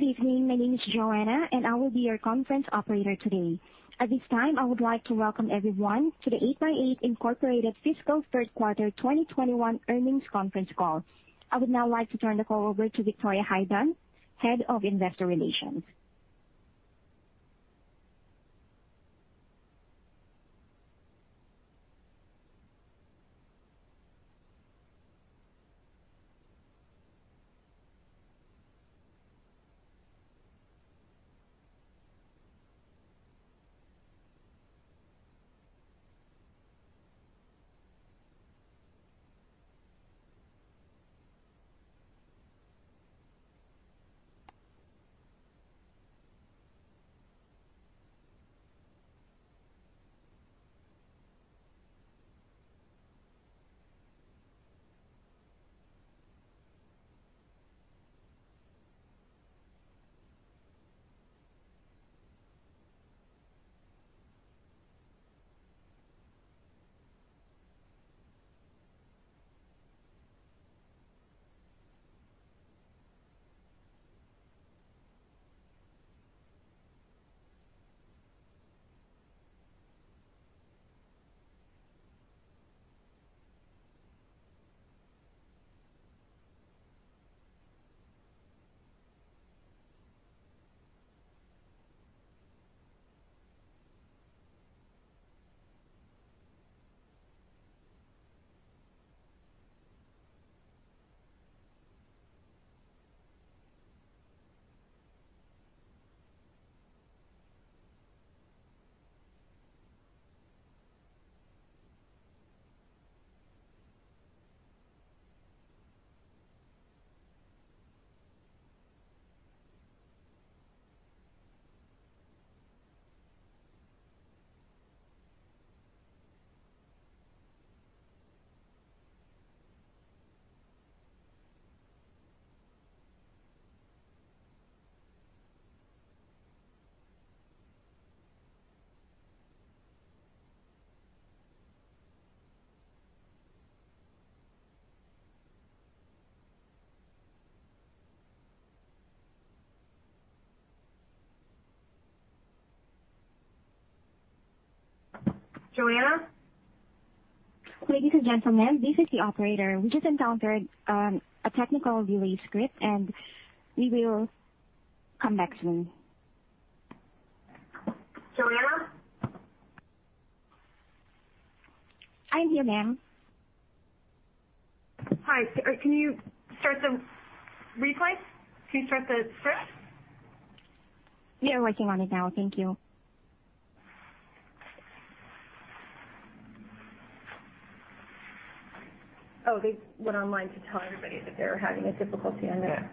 Good evening. My name is Joanna, and I will be your conference operator today. At this time, I would like to welcome everyone to the 8x8, Inc Fiscal Third Quarter 2021 earnings conference call. I would now like to turn the call over to Victoria Hyde-Dunn, Head of Investor Relations. Joanna? Ladies and gentlemen, this is the operator. We just encountered a technical delay script, and we will come back soon. Joanna? I'm here, ma'am. Hi. Can you start the replay? Can you start the script? We are working on it now. Thank you. Oh, they went online to tell everybody that they're having a difficulty on their.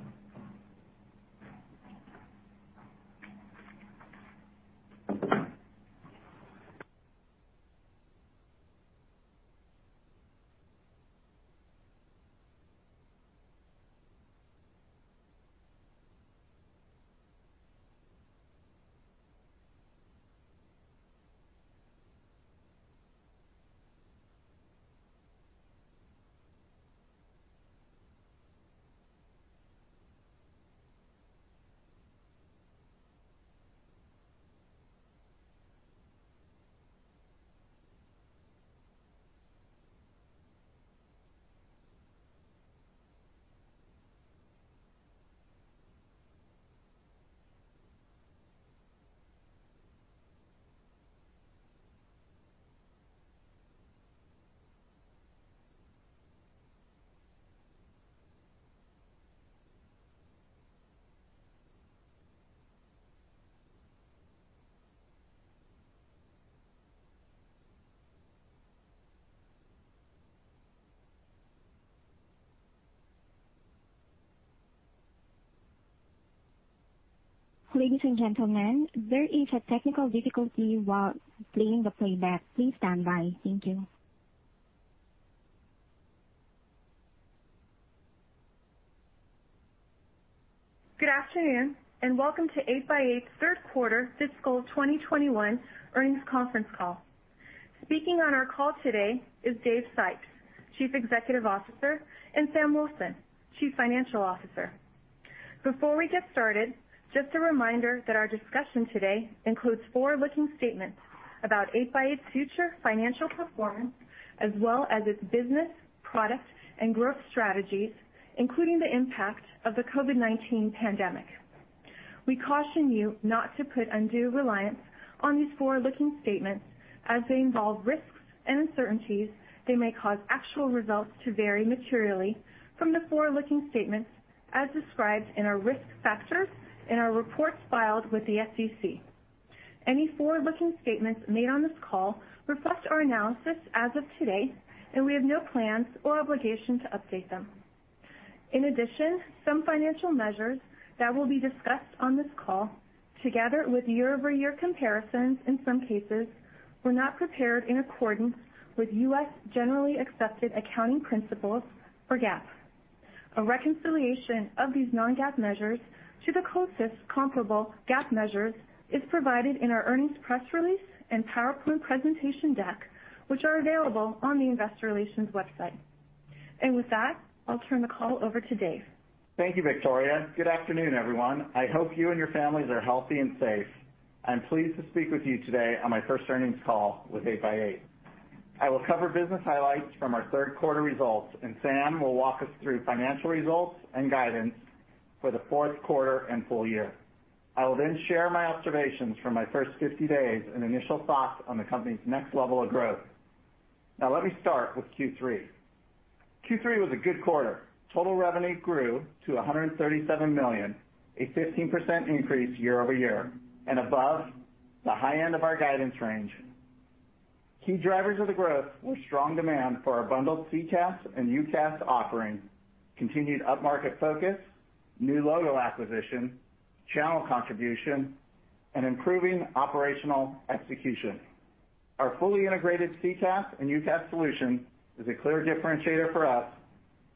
Ladies and gentlemen, there is a technical difficulty while playing the playback. Please stand by. Thank you. Good afternoon, and welcome to 8x8 third quarter fiscal 2021 earnings conference call. Speaking on our call today is Dave Sipes, Chief Executive Officer, and Sam Wilson, Chief Financial Officer. Before we get started, just a reminder that our discussion today includes forward-looking statements about 8x8 future financial performance, as well as its business, product, and growth strategies, including the impact of the COVID-19 pandemic. We caution you not to put undue reliance on these forward-looking statements as they involve risks and uncertainties. They may cause actual results to vary materially from the forward-looking statements as described in our risk factors in our reports filed with the SEC. Any forward-looking statements made on this call reflect our analysis as of today, and we have no plans or obligation to update them. In addition, some financial measures that will be discussed on this call, together with year-over-year comparisons in some cases, were not prepared in accordance with U.S. generally accepted accounting principles or GAAP. A reconciliation of these non-GAAP measures to the closest comparable GAAP measures is provided in our earnings press release and PowerPoint presentation deck, which are available on the investor relations website. With that, I'll turn the call over to Dave. Thank you, Victoria. Good afternoon, everyone. I hope you and your families are healthy and safe. I'm pleased to speak with you today on my first earnings call with 8x8. I will cover business highlights from our third quarter results, and Sam will walk us through financial results and guidance for the fourth quarter and full year. I will share my observations from my first 50 days and initial thoughts on the company's next level of growth. Let me start with Q3. Q3 was a good quarter. Total revenue grew to $137 million, a 15% increase year-over-year, and above the high end of our guidance range. Key drivers of the growth were strong demand for our bundled CCaaS and UCaaS offering, continued up-market focus, new logo acquisition, channel contribution, and improving operational execution. Our fully integrated CCaaS and UCaaS solution is a clear differentiator for us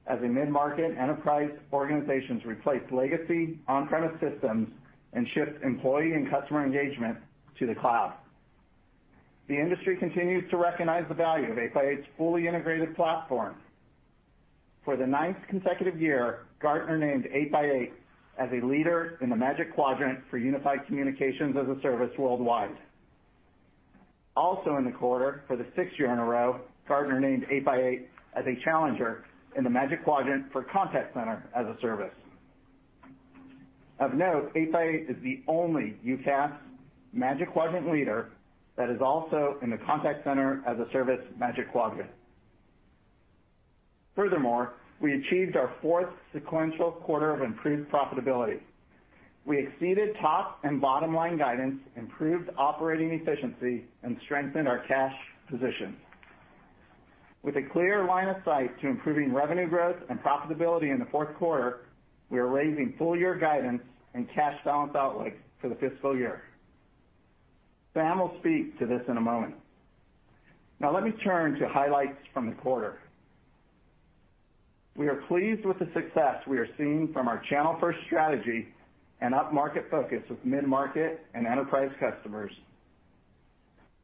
as mid-market enterprise organizations replace legacy on-premise systems and shift employee and customer engagement to the cloud. The industry continues to recognize the value of 8x8's fully integrated platform. For the ninth consecutive year, Gartner named 8x8 as a leader in the Magic Quadrant for Unified Communications as a Service worldwide. Also in the quarter, for the sixth year in a row, Gartner named 8x8 as a challenger in the Magic Quadrant for Contact Center as a Service. Of note, 8x8 is the only UCaaS Magic Quadrant leader that is also in the Contact Center as a Service Magic Quadrant. Furthermore, we achieved our fourth sequential quarter of improved profitability. We exceeded top and bottom-line guidance, improved operating efficiency, and strengthened our cash position. With a clear line of sight to improving revenue growth and profitability in the fourth quarter, we are raising full-year guidance and cash balance outlook for the fiscal year. Sam will speak to this in a moment. Let me turn to highlights from the quarter. We are pleased with the success we are seeing from our channel-first strategy and up-market focus with mid-market and enterprise customers.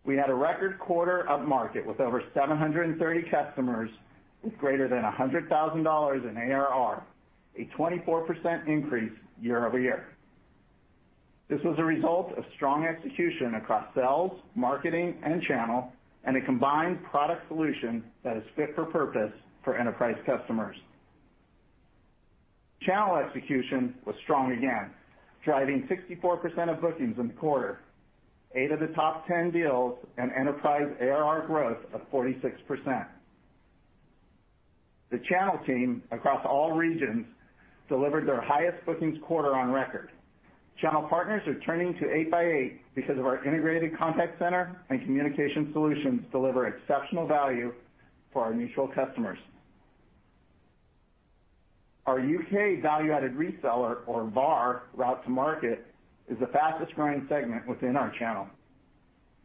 We had a record quarter up-market with over 730 customers with greater than $100,000 in ARR, a 24% increase year-over-year. This was a result of strong execution across sales, marketing, and channel, and a combined product solution that is fit for purpose for enterprise customers. Channel execution was strong again, driving 64% of bookings in the quarter, eight of the top 10 deals, and enterprise ARR growth of 46%. The channel team across all regions delivered their highest bookings quarter on record. Channel partners are turning to 8x8 because of our integrated contact center and communication solutions deliver exceptional value for our mutual customers. Our U.K. value-added reseller or VAR route to market is the fastest-growing segment within our channel.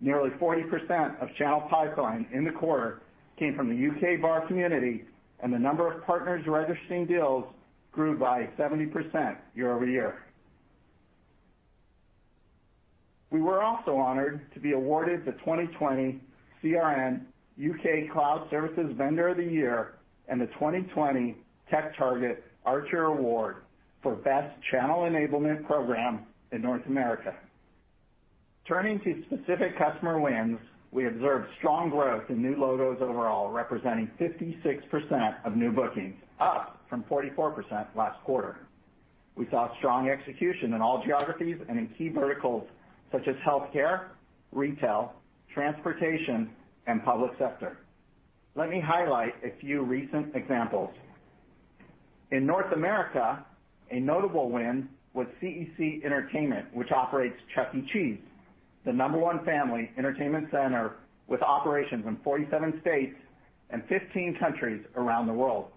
Nearly 40% of channel pipeline in the quarter came from the U.K. VAR community, and the number of partners registering deals grew by 70% year-over-year. We were also honored to be awarded the 2020 CRN UK Cloud Services Vendor of the Year and the 2020 TechTarget Archer Award for Best Channel Enablement Program in North America. Turning to specific customer wins, we observed strong growth in new logos overall, representing 56% of new bookings, up from 44% last quarter. We saw strong execution in all geographies and in key verticals such as healthcare, retail, transportation, and public sector. Let me highlight a few recent examples. In North America, a notable win was CEC Entertainment, which operates Chuck E. Cheese, the number one family entertainment center with operations in 47 states and 15 countries around the world.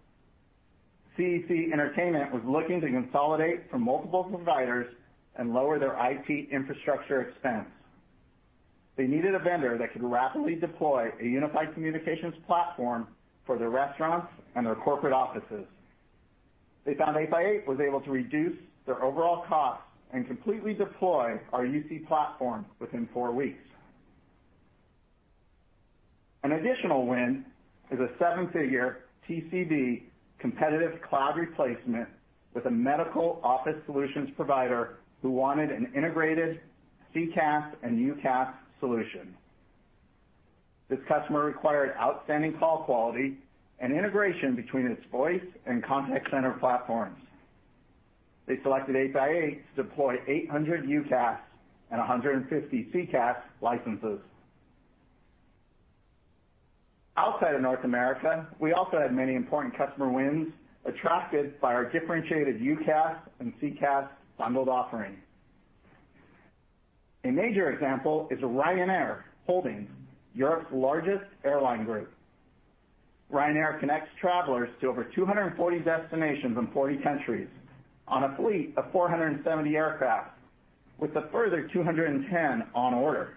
CEC Entertainment was looking to consolidate from multiple providers and lower their IT infrastructure expense. They needed a vendor that could rapidly deploy a unified communications platform for their restaurants and their corporate offices. They found 8x8 was able to reduce their overall cost and completely deploy our UC platform within four weeks. An additional win is a seven-figure TCV competitive cloud replacement with a medical office solutions provider who wanted an integrated CCaaS and UCaaS solution. This customer required outstanding call quality and integration between its voice and contact center platforms. They selected 8x8 to deploy 800 UCaaS and 150 CCaaS licenses. Outside of North America, we also had many important customer wins attracted by our differentiated UCaaS and CCaaS bundled offering. A major example is Ryanair Holdings, Europe's largest airline group. Ryanair connects travelers to over 240 destinations in 40 countries on a fleet of 470 aircraft, with a further 210 on order.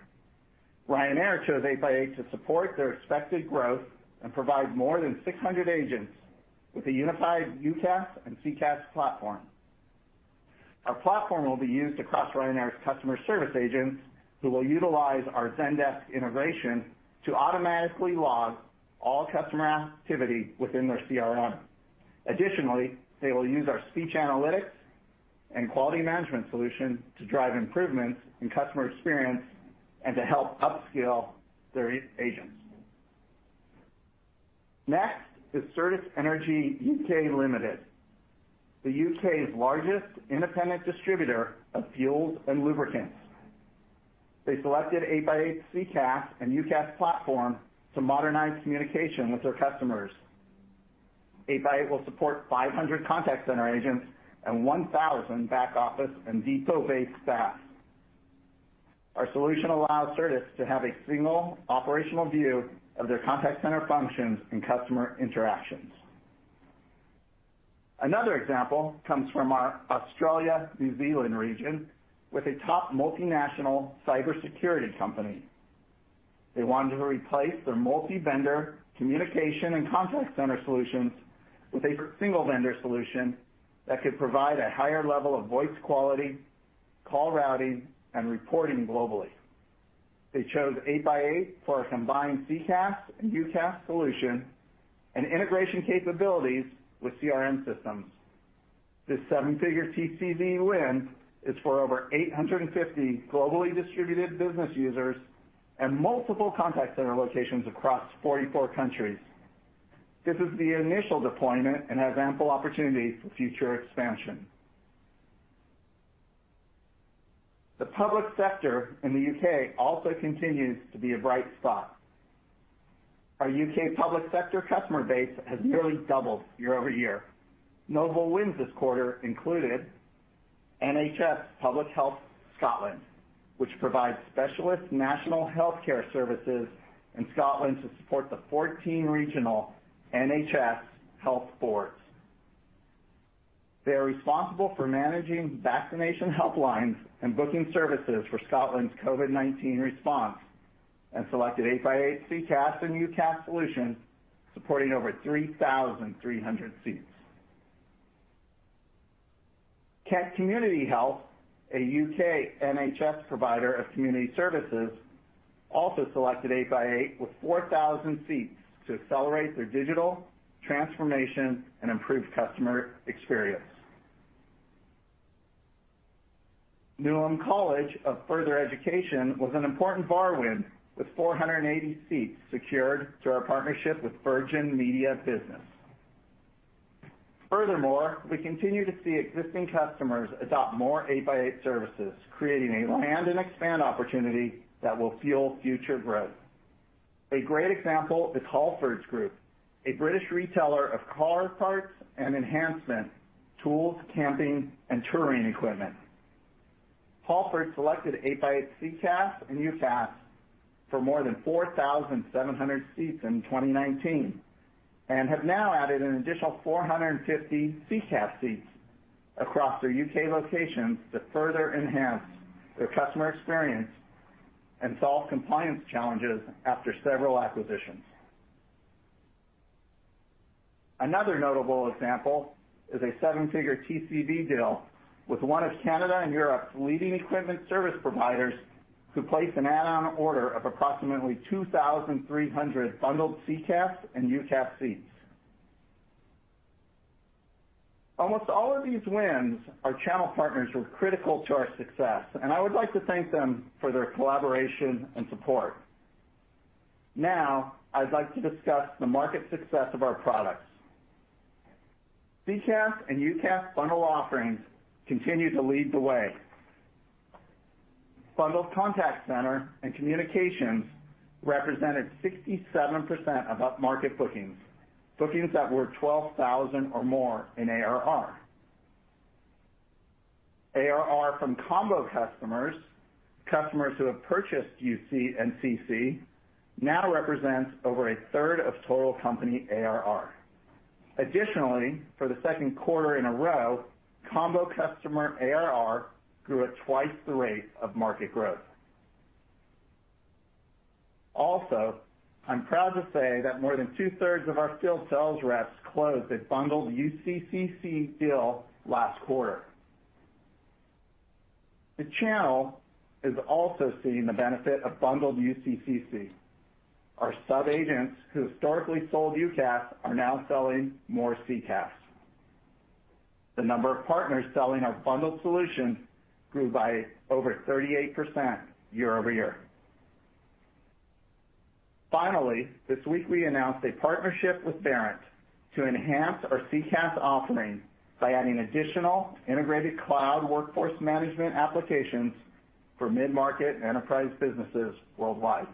Ryanair chose 8x8 to support their expected growth and provide more than 600 agents with a unified UCaaS and CCaaS platform. Our platform will be used across Ryanair's customer service agents, who will utilize our Zendesk integration to automatically log all customer activity within their CRM. Additionally, they will use our speech analytics and quality management solution to drive improvements in customer experience and to help upskill their agents. Next is Certas Energy U.K. Limited, the U.K.'s largest independent distributor of fuels and lubricants. They selected 8x8 CCaaS and UCaaS platform to modernize communication with their customers. 8x8 will support 500 contact center agents and 1,000 back office and depot-based staff. Our solution allows Certas to have a single operational view of their contact center functions and customer interactions. Another example comes from our Australia, New Zealand region with a top multinational cybersecurity company. They wanted to replace their multi-vendor communication and contact center solutions with a single-vendor solution that could provide a higher level of voice quality, call routing, and reporting globally. They chose 8x8 for a combined CCaaS and UCaaS solution and integration capabilities with CRM systems. This seven-figure TCV win is for over 850 globally distributed business users and multiple contact center locations across 44 countries. This is the initial deployment and has ample opportunity for future expansion. The public sector in the U.K. also continues to be a bright spot. Our U.K. public sector customer base has nearly doubled year-over-year. Notable wins this quarter included Public Health Scotland, which provides specialist national healthcare services in Scotland to support the 14 regional NHS health boards. They are responsible for managing vaccination helplines and booking services for Scotland's COVID-19 response, and selected 8x8 CCaaS and UCaaS solutions, supporting over 3,300 seats. Kent Community Health, a U.K. NHS provider of community services also selected 8x8 with 4,000 seats to accelerate their digital transformation and improve customer experience. Newham College of Further Education was an important VAR win, with 480 seats secured through our partnership with Virgin Media Business. Furthermore, we continue to see existing customers adopt more 8x8 services, creating a land-and-expand opportunity that will fuel future growth. A great example is Halfords Group, a British retailer of car parts and enhancement, tools, camping, and touring equipment. Halfords selected 8x8 CCaaS and UCaaS for more than 4,700 seats in 2019 and have now added an additional 450 CCaaS seats across their U.K. locations to further enhance their customer experience and solve compliance challenges after several acquisitions. Another notable example is a seven-figure TCV deal with one of Canada and Europe's leading equipment service providers, who placed an add-on order of approximately 2,300 bundled CCaaS and UCaaS seats. Almost all of these wins, our channel partners were critical to our success, and I would like to thank them for their collaboration and support. Now, I'd like to discuss the market success of our products. CCaaS and UCaaS bundle offerings continue to lead the way. Bundled contact center and communications represented 67% of upmarket bookings that were $12,000 or more in ARR. ARR from combo customers who have purchased UC and CC, now represents over a third of total company ARR. Additionally, for the second quarter in a row, combo customer ARR grew at twice the rate of market growth. Also, I'm proud to say that more than 2/3 of our field sales reps closed a bundled UCCC deal last quarter. The channel is also seeing the benefit of bundled UCCC. Our sub-agents who historically sold UCaaS are now selling more CCaaS. The number of partners selling our bundled solutions grew by over 38% year-over-year. Finally, this week we announced a partnership with Verint to enhance our CCaaS offering by adding additional integrated cloud workforce management applications for mid-market enterprise businesses worldwide.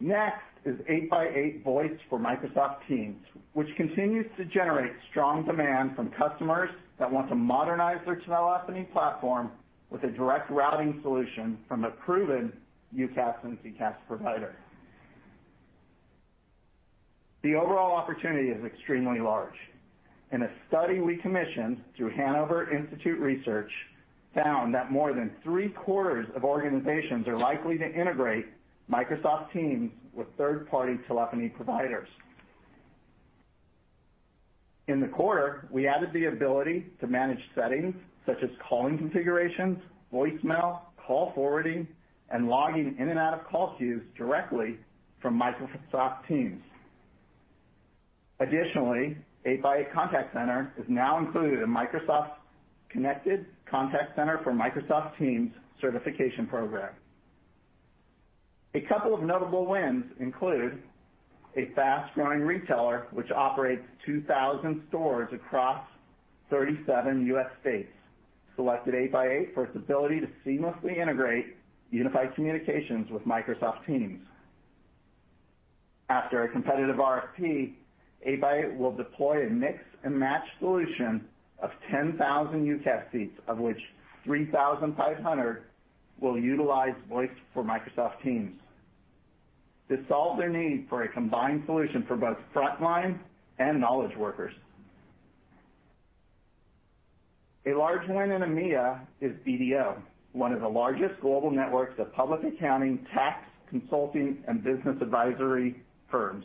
Next is 8x8 Voice for Microsoft Teams, which continues to generate strong demand from customers that want to modernize their telephony platform with a Direct Routing solution from a proven UCaaS and CCaaS provider. The overall opportunity is extremely large. In a study we commissioned through Hanover Research, found that more than three-quarters of organizations are likely to integrate Microsoft Teams with third-party telephony providers. In the quarter, we added the ability to manage settings such as calling configurations, voicemail, call forwarding, and logging in and out of call queues directly from Microsoft Teams. Additionally, 8x8 Contact Center is now included in Microsoft's Connected Contact Center for Microsoft Teams certification program. A couple of notable wins include a fast-growing retailer, which operates 2,000 stores across 37 U.S. states, selected 8x8 for its ability to seamlessly integrate unified communications with Microsoft Teams. After a competitive RFP, 8x8 will deploy a mix-and-match solution of 10,000 UCaaS seats, of which 3,500 will utilize 8x8 Voice for Microsoft Teams to solve their need for a combined solution for both frontline and knowledge workers. A large win in EMEA is BDO, one of the largest global networks of public accounting, tax consulting, and business advisory firms.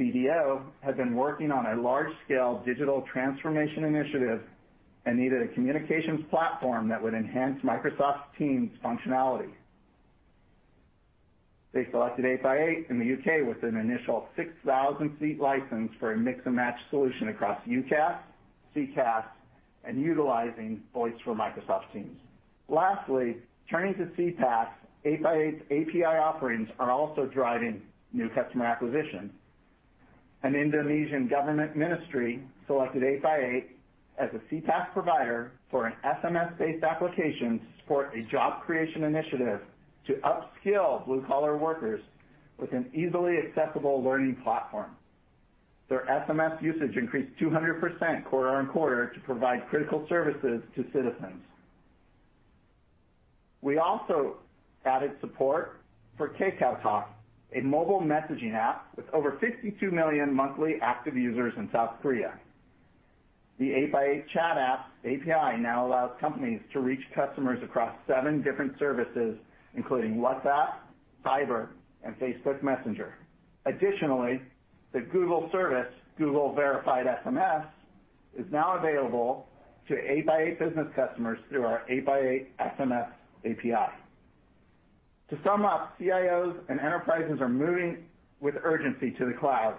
BDO has been working on a large-scale digital transformation initiative and needed a communications platform that would enhance Microsoft Teams functionality. They selected 8x8 in the U.K. with an initial 6,000-seat license for a mix-and-match solution across UCaaS, CCaaS, and utilizing 8x8 Voice for Microsoft Teams. Turning to CPaaS, 8x8's API offerings are also driving new customer acquisition. An Indonesian government ministry selected 8x8 as a CPaaS provider for an SMS-based application to support a job creation initiative to upskill blue-collar workers with an easily accessible learning platform. Their SMS usage increased 200% quarter-on-quarter to provide critical services to citizens. We also added support for KakaoTalk, a mobile messaging app with over 52 million monthly active users in South Korea. The 8x8 Chat Apps API now allows companies to reach customers across seven different services, including WhatsApp, Viber, and Facebook Messenger. Additionally, the Google service, Google Verified SMS, is now available to 8x8 business customers through our 8x8 SMS API. To sum up, CIOs and enterprises are moving with urgency to the cloud.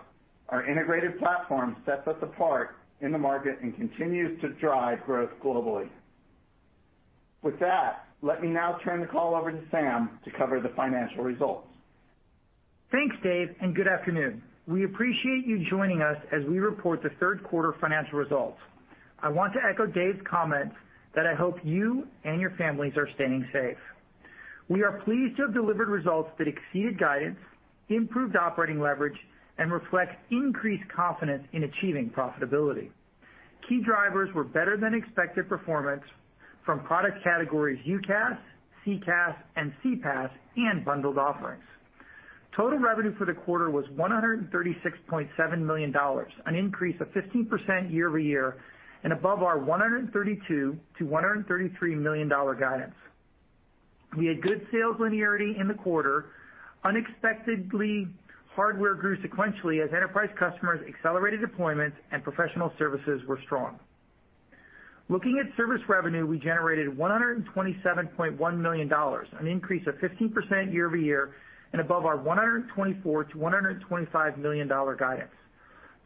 Our integrated platform sets us apart in the market and continues to drive growth globally. With that, let me now turn the call over to Sam to cover the financial results. Thanks, Dave, and good afternoon. We appreciate you joining us as we report the third quarter financial results. I want to echo Dave's comments that I hope you and your families are staying safe. We are pleased to have delivered results that exceeded guidance, improved operating leverage, and reflect increased confidence in achieving profitability. Key drivers were better than expected performance from product categories UCaaS, CCaaS, and CPaaS, and bundled offerings. Total revenue for the quarter was $136.7 million, an increase of 15% year-over-year, and above our $132 million-$133 million guidance. We had good sales linearity in the quarter. Unexpectedly, hardware grew sequentially as enterprise customers accelerated deployments and professional services were strong. Looking at service revenue, we generated $127.1 million, an increase of 15% year-over-year, and above our $124 million-$125 million guidance.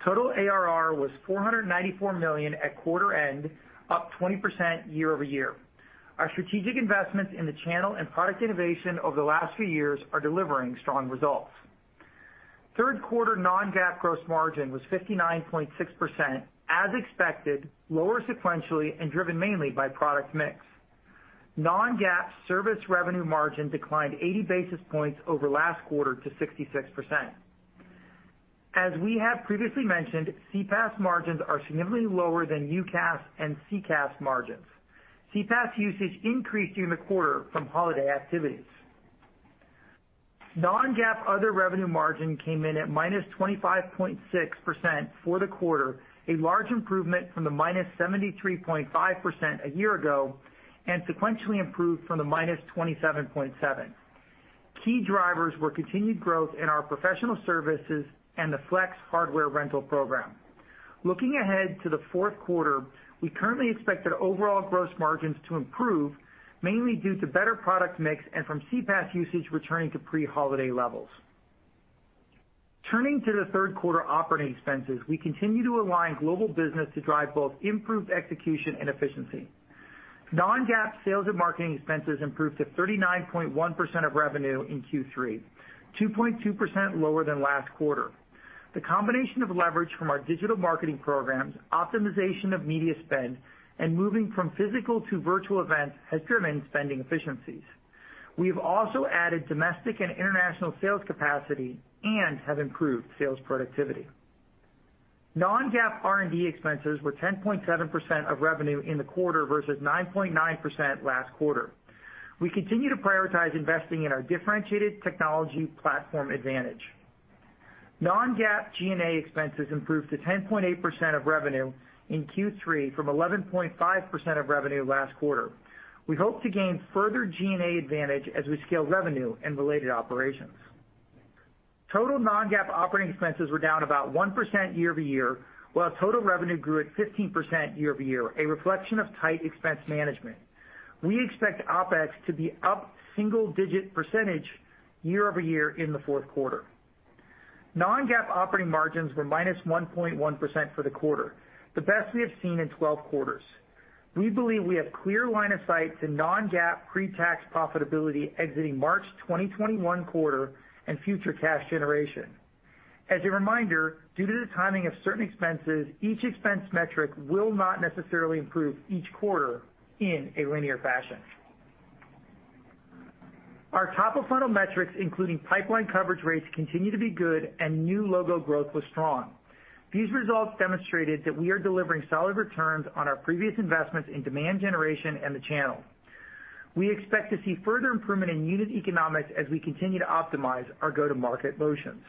Total ARR was $494 million at quarter end, up 20% year-over-year. Our strategic investments in the channel and product innovation over the last few years are delivering strong results. Third quarter non-GAAP gross margin was 59.6%, as expected, lower sequentially, and driven mainly by product mix. Non-GAAP service revenue margin declined 80 basis points over last quarter to 66%. As we have previously mentioned, CPaaS margins are significantly lower than UCaaS and CCaaS margins. CPaaS usage increased during the quarter from holiday activities. Non-GAAP other revenue margin came in at -25.6% for the quarter, a large improvement from the -73.5% a year ago, and sequentially improved from the -27.7%. Key drivers were continued growth in our professional services and the Flex hardware rental program. Looking ahead to the fourth quarter, we currently expect our overall gross margins to improve, mainly due to better product mix and from CPaaS usage returning to pre-holiday levels. Turning to the third quarter operating expenses, we continue to align global business to drive both improved execution and efficiency. Non-GAAP sales and marketing expenses improved to 39.1% of revenue in Q3, 2.2% lower than last quarter. The combination of leverage from our digital marketing programs, optimization of media spends, and moving from physical to virtual events has driven spending efficiencies. We have also added domestic and international sales capacity and have improved sales productivity. Non-GAAP R&D expenses were 10.7% of revenue in the quarter versus 9.9% last quarter. We continue to prioritize investing in our differentiated technology platform advantage. Non-GAAP G&A expenses improved to 10.8% of revenue in Q3 from 11.5% of revenue last quarter. We hope to gain further G&A advantage as we scale revenue and related operations. Total non-GAAP operating expenses were down about 1% year-over-year, while total revenue grew at 15% year-over-year, a reflection of tight expense management. We expect OpEx to be up single-digit percentage year-over-year in the fourth quarter. Non-GAAP operating margins were -1.1% for the quarter, the best we have seen in 12 quarters. We believe we have clear line of sight to non-GAAP pre-tax profitability exiting March 2021 quarter and future cash generation. As a reminder, due to the timing of certain expenses, each expense metric will not necessarily improve each quarter in a linear fashion. Our top-of-funnel metrics, including pipeline coverage rates, continue to be good and new logo growth was strong. These results demonstrated that we are delivering solid returns on our previous investments in demand generation and the channel. We expect to see further improvement in unit economics as we continue to optimize our go-to-market motions.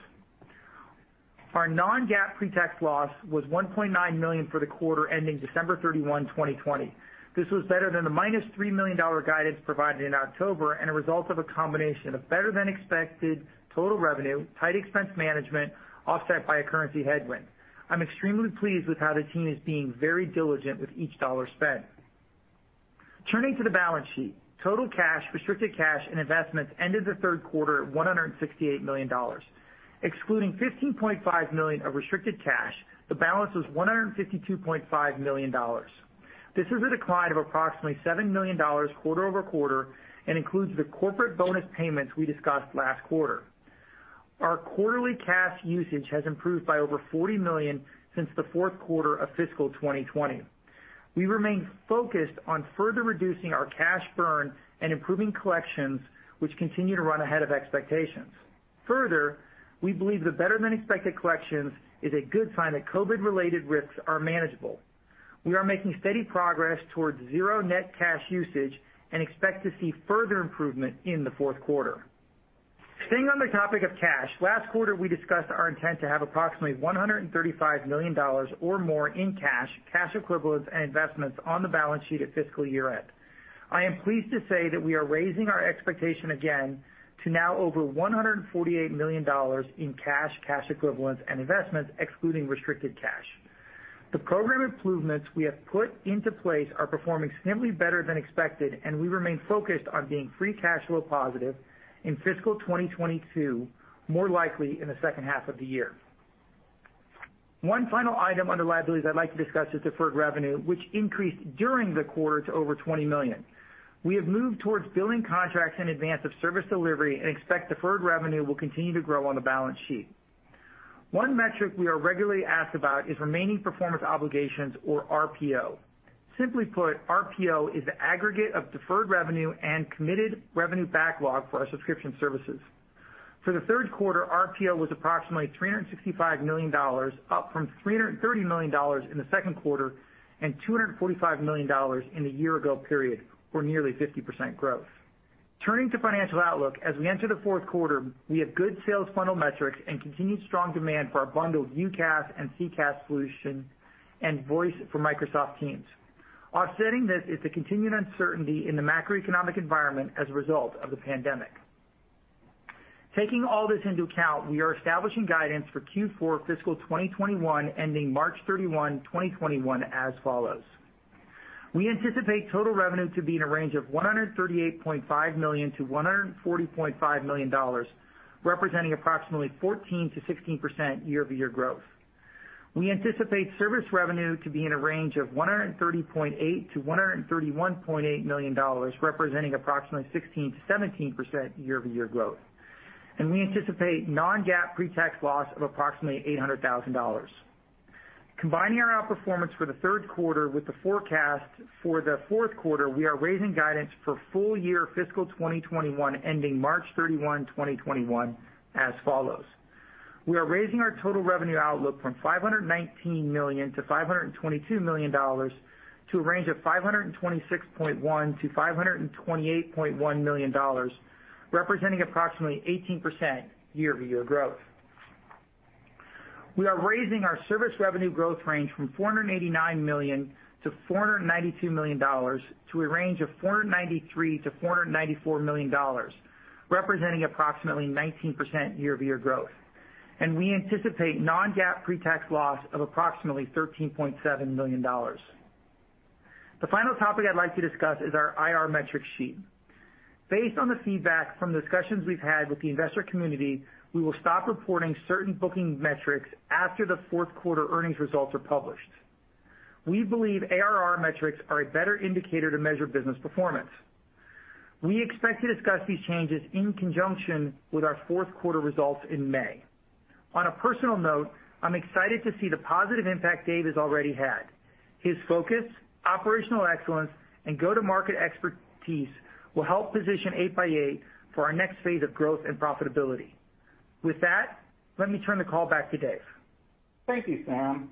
Our non-GAAP pretax loss was $1.9 million for the quarter ending December 31, 2020. This was better than the $-3 million guidance provided in October, and a result of a combination of better-than-expected total revenue, tight expense management, offset by a currency headwind. I'm extremely pleased with how the team is being very diligent with each dollar spent. Turning to the balance sheet. Total cash, restricted cash, and investments ended the third quarter at $168 million. Excluding $15.5 million of restricted cash, the balance was $152.5 million. This is a decline of approximately $7 million quarter-over-quarter and includes the corporate bonus payments we discussed last quarter. Our quarterly cash usage has improved by over $40 million since the fourth quarter of fiscal 2020. We remain focused on further reducing our cash burn and improving collections, which continue to run ahead of expectations. Further, we believe the better-than-expected collections is a good sign that COVID-related risks are manageable. We are making steady progress towards zero net cash usage and expect to see further improvement in the fourth quarter. Staying on the topic of cash, last quarter we discussed our intent to have approximately $135 million or more in cash equivalents, and investments on the balance sheet at fiscal year-end. I am pleased to say that we are raising our expectation again to now over $148 million in cash equivalents, and investments excluding restricted cash. The program improvements we have put into place are performing significantly better than expected, and we remain focused on being free cash flow positive in fiscal 2022, more likely in the second half of the year. One final item under liabilities I'd like to discuss is deferred revenue, which increased during the quarter to over $20 million. We have moved towards billing contracts in advance of service delivery and expect deferred revenue will continue to grow on the balance sheet. One metric we are regularly asked about is remaining performance obligations or RPO. Simply put, RPO is the aggregate of deferred revenue and committed revenue backlog for our subscription services. For the third quarter, RPO was approximately $365 million, up from $330 million in the second quarter and $245 million in the year ago period, or nearly 50% growth. Turning to financial outlook, as we enter the fourth quarter, we have good sales funnel metrics and continued strong demand for our bundled UCaaS and CCaaS solution and Voice for Microsoft Teams. Offsetting this is the continued uncertainty in the macroeconomic environment as a result of the pandemic. Taking all this into account, we are establishing guidance for Q4 fiscal 2021 ending March 31, 2021, as follows. We anticipate total revenue to be in a range of $138.5 million-$140.5 million, representing approximately 14%-16% year-over-year growth. We anticipate service revenue to be in a range of $130.8 million-$131.8 million, representing approximately 16%-17% year-over-year growth. We anticipate non-GAAP pretax loss of approximately $800,000. Combining our outperformance for the third quarter with the forecast for the fourth quarter, we are raising guidance for full year fiscal 2021 ending March 31, 2021, as follows. We are raising our total revenue outlook from $519 million to $522 million to a range of $526.1 million-$528.1 million, representing approximately 18% year-over-year growth. We are raising our service revenue growth range from $489 million to $492 million to a range of $493 million-$494 million, representing approximately 19% year-over-year growth. We anticipate non-GAAP pretax loss of approximately $13.7 million. The final topic I'd like to discuss is our IR metric sheet. Based on the feedback from discussions we've had with the investor community, we will stop reporting certain booking metrics after the fourth quarter earnings results are published. We believe ARR metrics are a better indicator to measure business performance. We expect to discuss these changes in conjunction with our fourth quarter results in May. On a personal note, I'm excited to see the positive impact Dave has already had. His focus, operational excellence, and go-to-market expertise will help position 8x8 for our next phase of growth and profitability. With that, let me turn the call back to Dave. Thank you, Sam.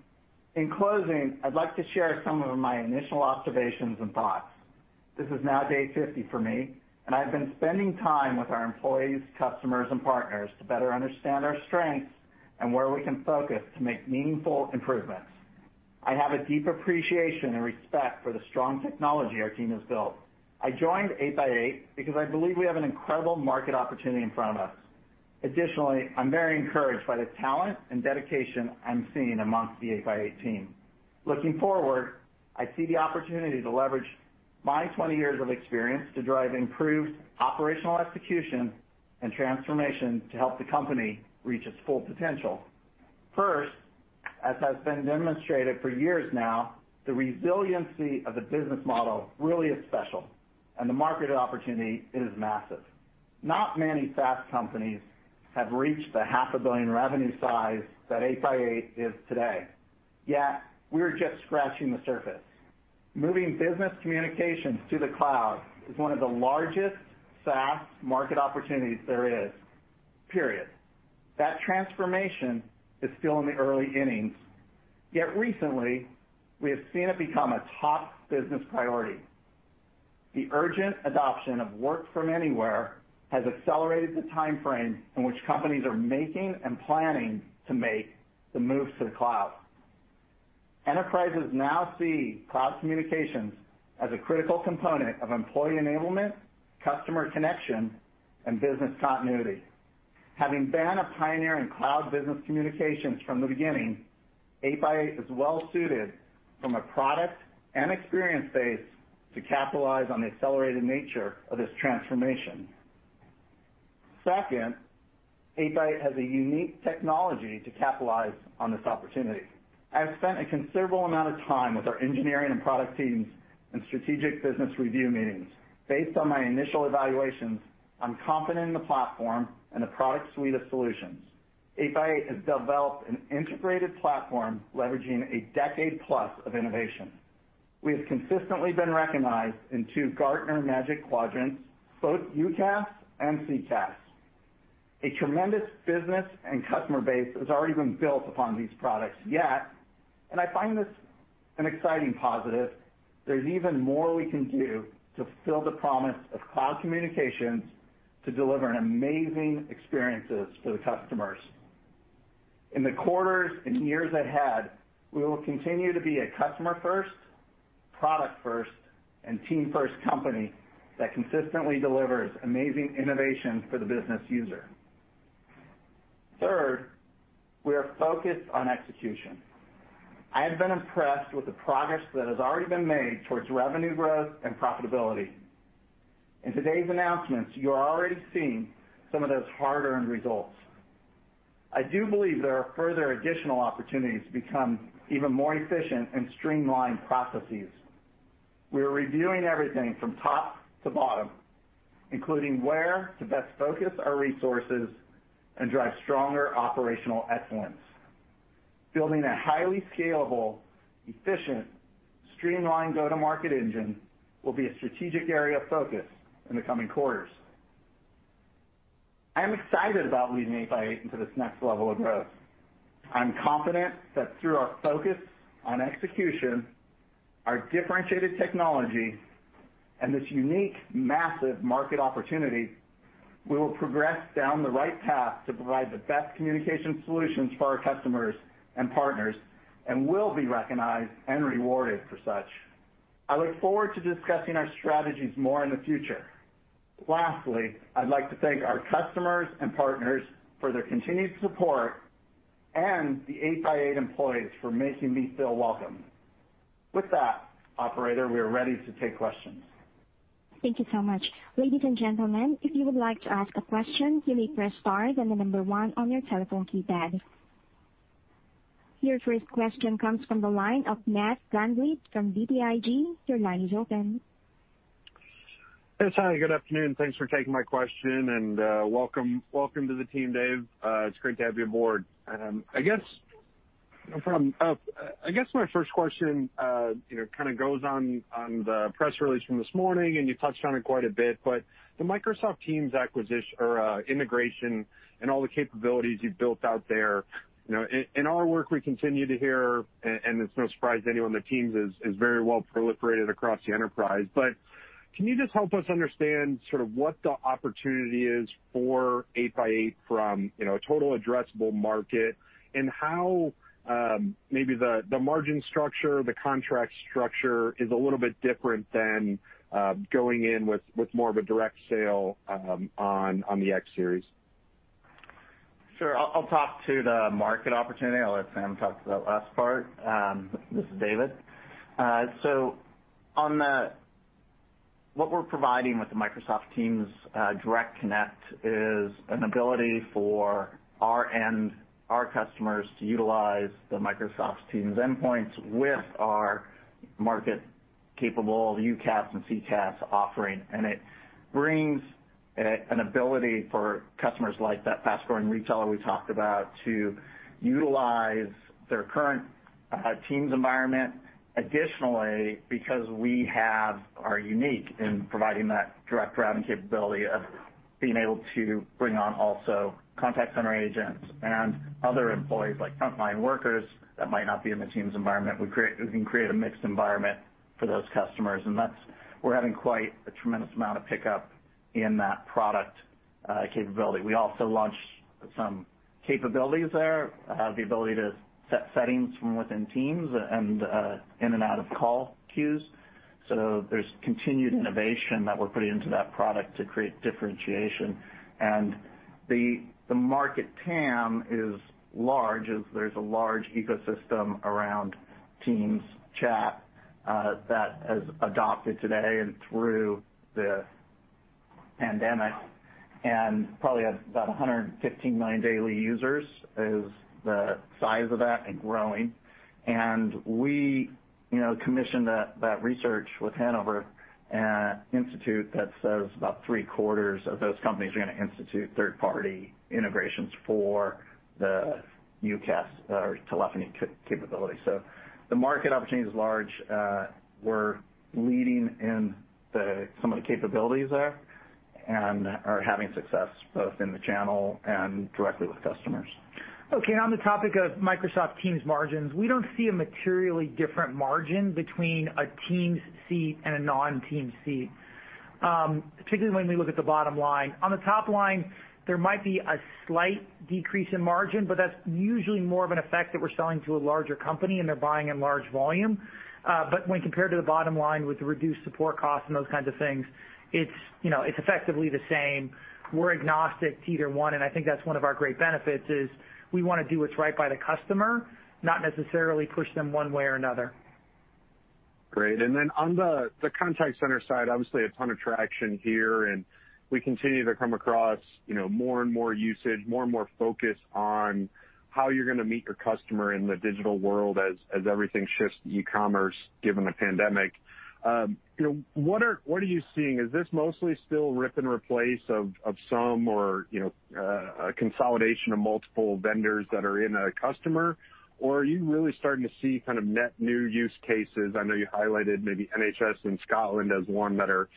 In closing, I'd like to share some of my initial observations and thoughts. This is now day 50 for me, and I've been spending time with our employees, customers, and partners to better understand our strengths and where we can focus to make meaningful improvements. I have a deep appreciation and respect for the strong technology our team has built. I joined 8x8 because I believe we have an incredible market opportunity in front of us. Additionally, I'm very encouraged by the talent and dedication I'm seeing amongst the 8x8 team. Looking forward, I see the opportunity to leverage my 20 years of experience to drive improved operational execution and transformation to help the company reach its full potential. First, as has been demonstrated for years now, the resiliency of the business model really is special, and the market opportunity is massive. Not many SaaS companies have reached the $500 million-revenue size that 8x8 is today. Yet, we are just scratching the surface. Moving business communications to the cloud is one of the largest SaaS market opportunities there is, period. That transformation is still in the early innings. Yet recently, we have seen it become a top business priority. The urgent adoption of work from anywhere has accelerated the timeframe in which companies are making and planning to make the move to the cloud. Enterprises now see cloud communications as a critical component of employee enablement, customer connection, and business continuity. Having been a pioneer in cloud business communications from the beginning, 8x8 is well-suited from a product and experience base to capitalize on the accelerated nature of this transformation. Second, 8x8 has a unique technology to capitalize on this opportunity. I've spent a considerable amount of time with our engineering and product teams in strategic business review meetings. Based on my initial evaluations, I'm confident in the platform and the product suite of solutions. 8x8 has developed an integrated platform leveraging a decade plus of innovation. We have consistently been recognized in two Gartner Magic Quadrants, both UCaaS and CCaaS. A tremendous business and customer base has already been built upon these products. I find this an exciting positive, there's even more we can do to fulfill the promise of cloud communications to deliver amazing experiences to the customers. In the quarters and years ahead, we will continue to be a customer-first, product-first, and team-first company that consistently delivers amazing innovation for the business user. Third, we are focused on execution. I have been impressed with the progress that has already been made towards revenue growth and profitability. In today's announcements, you are already seeing some of those hard-earned results. I do believe there are further additional opportunities to become even more efficient and streamline processes. We are reviewing everything from top to bottom, including where to best focus our resources and drive stronger operational excellence. Building a highly scalable, efficient, streamlined go-to-market engine will be a strategic area of focus in the coming quarters. I am excited about leading 8x8 into this next level of growth. I'm confident that through our focus on execution, our differentiated technology, and this unique, massive market opportunity, we will progress down the right path to provide the best communication solutions for our customers and partners and will be recognized and rewarded for such. I look forward to discussing our strategies more in the future. Lastly, I'd like to thank our customers and partners for their continued support and the 8x8 employees for making me feel welcome. With that, operator, we are ready to take questions. Thank you so much. Ladies and gentlemen, if you would like to ask a question, please press star on the number one on your telephone keypad. Your first question comes from the line of Matt VanVliet from BTIG. Your line is open. Yes, hi, good afternoon. Thanks for taking my question, and welcome to the team, Dave. It's great to have you aboard. I guess my first question kind of goes on the press release from this morning, and you touched on it quite a bit, but the Microsoft Teams integration and all the capabilities you've built out there. In our work, we continue to hear, and it's no surprise to anyone, that Teams is very well proliferated across the enterprise. Can you just help us understand sort of what the opportunity is for 8x8 from a total addressable market and how maybe the margin structure, the contract structure is a little bit different than going in with more of a direct sale on the X Series? Sure. I'll talk to the market opportunity. I'll let Sam talk to that last part. This is David. What we're providing with the Microsoft Teams Direct Routing is an ability for our end, our customers, to utilize the Microsoft Teams endpoints with our market-capable UCaaS and CCaaS offering. It brings an ability for customers like that fast-growing retailer we talked about to utilize their current Teams environment. Additionally, because we are unique in providing that Direct Routing capability of being able to bring on also contact center agents and other employees, like frontline workers that might not be in the Teams environment, we can create a mixed environment for those customers. We're having quite a tremendous amount of pickup in that product capability. We also launched some capabilities there, the ability to set settings from within Teams and in and out of call queues. There's continued innovation that we're putting into that product to create differentiation. The market TAM is large, as there's a large ecosystem around Teams chat that has adopted today and through the pandemic. Probably has about 115 million daily users is the size of that, and growing. We commissioned that research with Hanover Research that says about three-quarters of those companies are going to institute third-party integrations for the UCaaS or telephony capability. The market opportunity is large. We're leading in some of the capabilities there and are having success both in the channel and directly with customers. Okay. On the topic of Microsoft Teams margins, we don't see a materially different margin between a Teams seat and a non-Teams seat, particularly when we look at the bottom line. On the top line, there might be a slight decrease in margin, but that's usually more of an effect that we're selling to a larger company and they're buying in large volume. When compared to the bottom line with the reduced support costs and those kinds of things, it's effectively the same. We're agnostic to either one, and I think that's one of our great benefits is we want to do what's right by the customer, not necessarily push them one way or another. Great. Then on the contact center side, obviously a ton of traction here, and we continue to come across more and more usage, more and more focus on how you're going to meet your customer in the digital world as everything shifts to e-commerce, given the pandemic. What are you seeing? Is this mostly still rip and replace of some or a consolidation of multiple vendors that are in a customer? Are you really starting to see kind of net new use cases? I know you highlighted maybe NHS in Scotland as one that are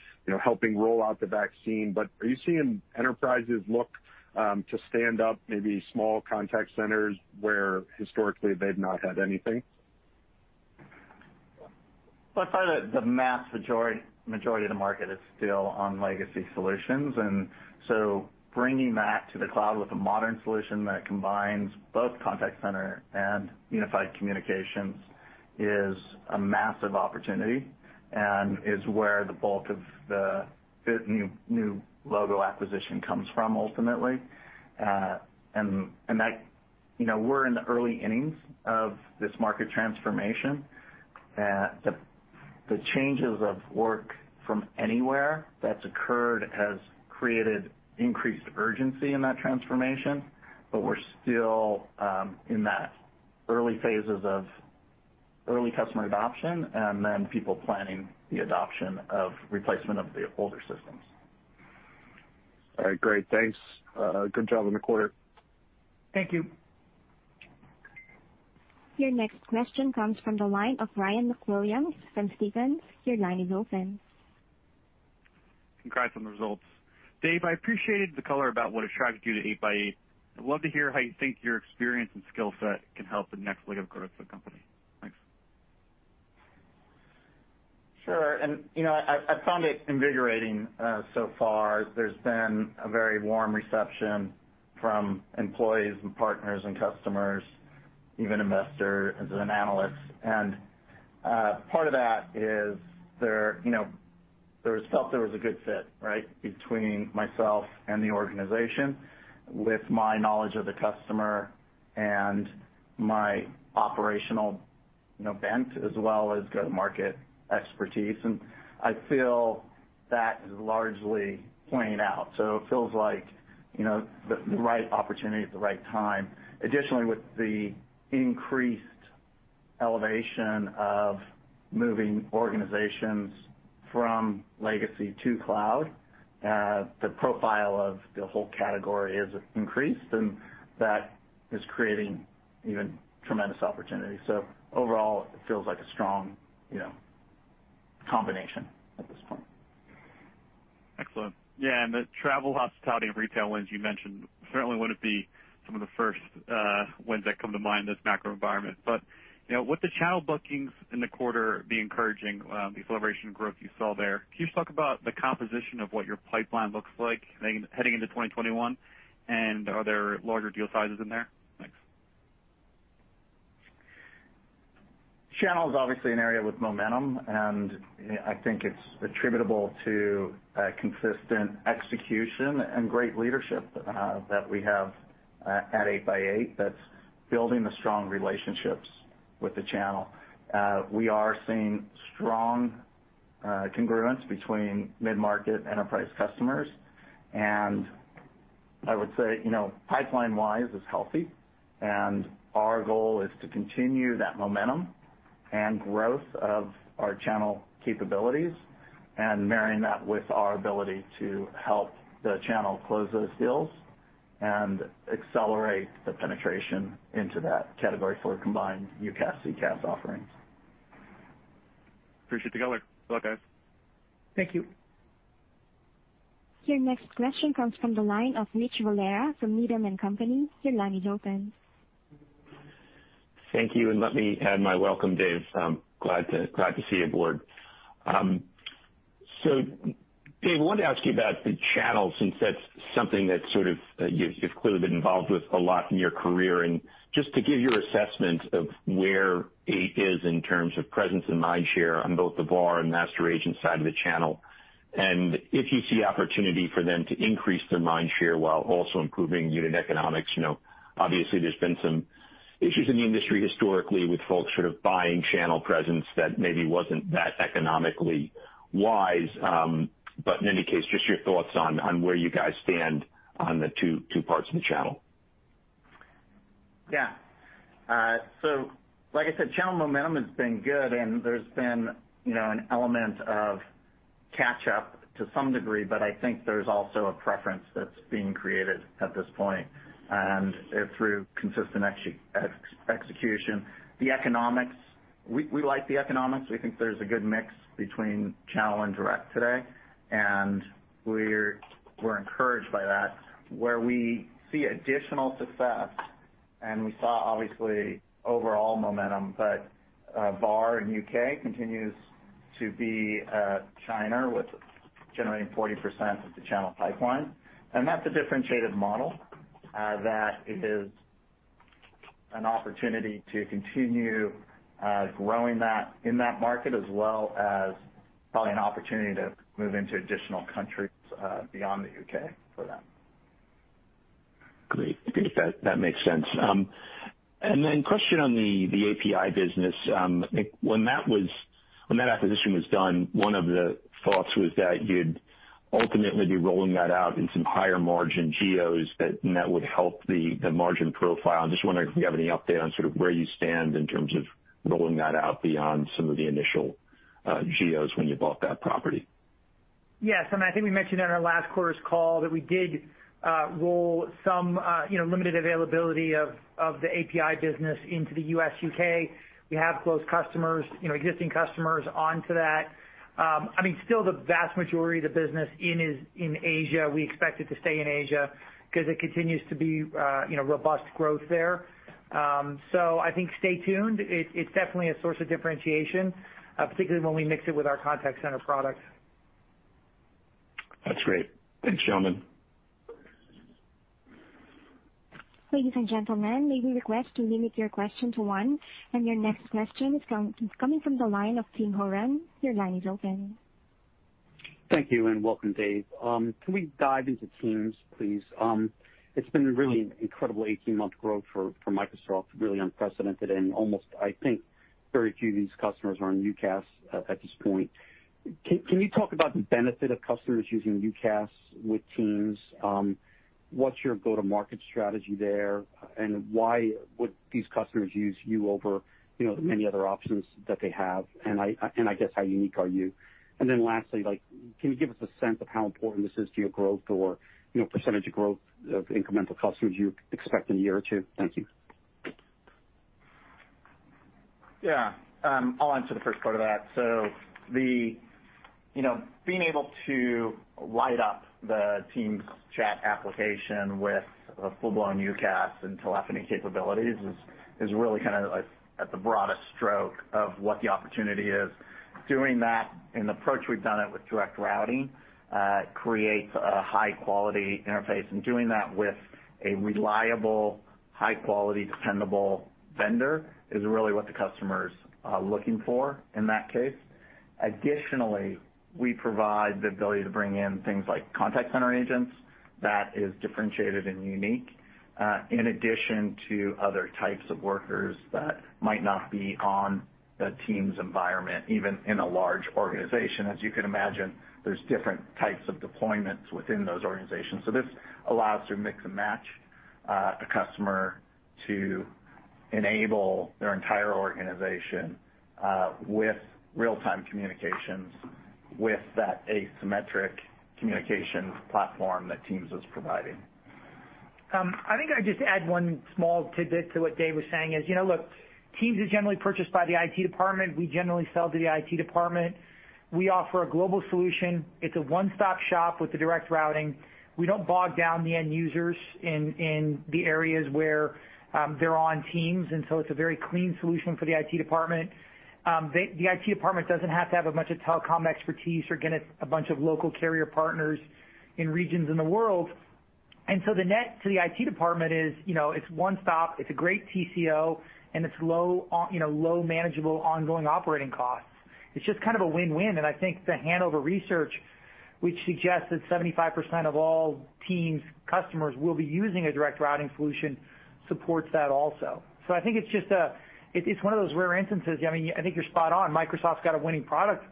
helping roll out the vaccine. Are you seeing enterprises look to stand up maybe small contact centers, where historically they've not had anything? Well, I'd say the mass majority of the market is still on legacy solutions. Bringing that to the cloud with a modern solution that combines both Contact Center and Unified Communications is a massive opportunity and is where the bulk of the new logo acquisition comes from, ultimately. We're in the early innings of this market transformation. The changes of work from anywhere that's occurred has created increased urgency in that transformation. We're still in that early phases of early customer adoption and then people planning the adoption of replacement of the older systems. All right, great. Thanks. Good job on the quarter. Thank you. Your next question comes from the line of Ryan MacWilliams from Stephens. Your line is open. Congrats on the results. Dave, I appreciated the color about what attracted you to 8x8. I'd love to hear how you think your experience and skill set can help the next leg of growth of the company. Thanks. Sure. I found it invigorating so far. There's been a very warm reception from employees and partners and customers, even investors and analysts. Part of that is there was felt there was a good fit, right, between myself and the organization with my knowledge of the customer and my operational bent as well as go-to-market expertise, and I feel that largely playing out. It feels like the right opportunity at the right time. Additionally, with the increased elevation of moving organizations from legacy to cloud, the profile of the whole category has increased, and that is creating even tremendous opportunity. Overall, it feels like a strong combination at this point. Excellent. The travel, hospitality, and retail wins you mentioned certainly wouldn't be some of the first ones that come to mind in this macro environment. With the channel bookings in the quarter being encouraging, the acceleration growth you saw there, can you talk about the composition of what your pipeline looks like heading into 2021? Are there larger deal sizes in there? Thanks. Channel is obviously an area with momentum, and I think it's attributable to consistent execution and great leadership that we have at 8x8 that's building the strong relationships with the channel. We are seeing strong congruence between mid-market enterprise customers and I would say pipeline-wise is healthy, and our goal is to continue that momentum and growth of our channel capabilities and marrying that with our ability to help the channel close those deals and accelerate the penetration into that category for combined UCaaS, CCaaS offerings. Appreciate the color. Good luck, guys. Thank you. Your next question comes from the line of Rich Valera from Needham & Company. Your line is open. Thank you, and let me add my welcome, Dave. Glad to see you aboard. Dave, wanted to ask you about the channel, since that's something that you've clearly been involved with a lot in your career, and just to give your assessment of where 8x8 is in terms of presence and mind share on both the VAR and master agent side of the channel. If you see opportunity for them to increase their mind share while also improving unit economics. Obviously, there's been some issues in the industry historically with folks sort of buying channel presence that maybe wasn't that economically wise. In any case, just your thoughts on where you guys stand on the two parts of the channel. Like I said, channel momentum has been good, and there's been an element of catch-up to some degree, but I think there's also a preference that's being created at this point, and through consistent execution. The economics, we like the economics. We think there's a good mix between channel and direct today, and we're encouraged by that. Where we see additional success, and we saw obviously overall momentum, but VAR in U.K. continues to be a shiner with generating 40% of the channel pipeline. That's a differentiated model that is an opportunity to continue growing that in that market, as well as probably an opportunity to move into additional countries beyond the U.K. for them. Great. That makes sense. Question on the API business. I think when that acquisition was done, one of the thoughts was that you'd ultimately be rolling that out in some higher margin geos and that would help the margin profile. I'm just wondering if you have any update on sort of where you stand in terms of rolling that out beyond some of the initial geos when you bought that property. Yes. I think we mentioned on our last quarter's call that we did roll some limited availability of the API business into the U.S., U.K. We have closed customers, existing customers onto that. Still the vast majority of the business in Asia. We expect it to stay in Asia because it continues to be robust growth there. I think stay tuned. It's definitely a source of differentiation, particularly when we mix it with our contact center products. That's great. Thanks, gentlemen. Ladies and gentlemen, may we request you limit your question to one. Your next question is coming from the line of Tim Horan. Your line is open. Thank you, and welcome, Dave. Can we dive into Teams, please? It's been a really incredible 18-month growth for Microsoft, really unprecedented and almost, I think very few of these customers are on UCaaS at this point. Can you talk about the benefit of customers using UCaaS with Teams? What's your go-to-market strategy there, and why would these customers use you over the many other options that they have? I guess how unique are you? Lastly, can you give us a sense of how important this is to your growth or percent of growth of incremental customers you expect in a year or two? Thank you. I'll answer the first part of that. Being able to light up the Teams chat application with a full-blown UCaaS and telephony capabilities is really kind of at the broadest stroke of what the opportunity is. Doing that in the approach we've done it with Direct Routing creates a high-quality interface, and doing that with a reliable, high-quality, dependable vendor is really what the customer's looking for in that case. Additionally, we provide the ability to bring in things like contact center agents that is differentiated and unique, in addition to other types of workers that might not be on the Teams environment, even in a large organization. As you can imagine, there's different types of deployments within those organizations. This allows to mix and match a customer to enable their entire organization with real-time communications, with that asymmetric communications platform that Teams is providing. I think I'd just add one small tidbit to what Dave was saying is, look, Teams is generally purchased by the IT department. We generally sell to the IT department. We offer a global solution. It's a one-stop shop with the Direct Routing. We don't log down the end users in the areas where they're on teams, it's a very clean solution for the IT department. The IT department doesn't have to have a bunch of telecom expertise or get a bunch of local carrier partners in regions in the world. The net to the IT department is it's one stop, it's a great TCO, and its low manageable ongoing operating costs. It's just kind of a win-win, I think the Hanover Research, which suggests that 75% of all Teams customers will be using a Direct Routing solution, supports that also. I think it's one of those rare instances. I think you're spot on. Microsoft's got a winning product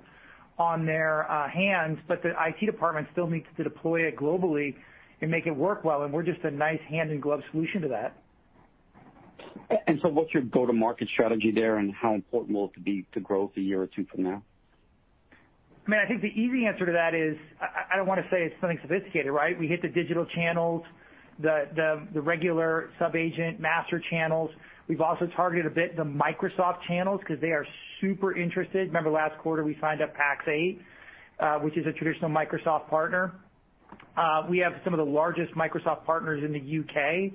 on their hands, but the IT department still needs to deploy it globally and make it work well, and we're just a nice hand-in-glove solution to that. What's your go-to-market strategy there, and how important will it be to growth a year or two from now? I think the easy answer to that is, I don't want to say it's something sophisticated. We hit the digital channels, the regular sub-agent master channels. We've also targeted a bit the Microsoft channels because they are super interested. Remember last quarter we signed up Pax8, which is a traditional Microsoft partner. We have some of the largest Microsoft partners in the U.K.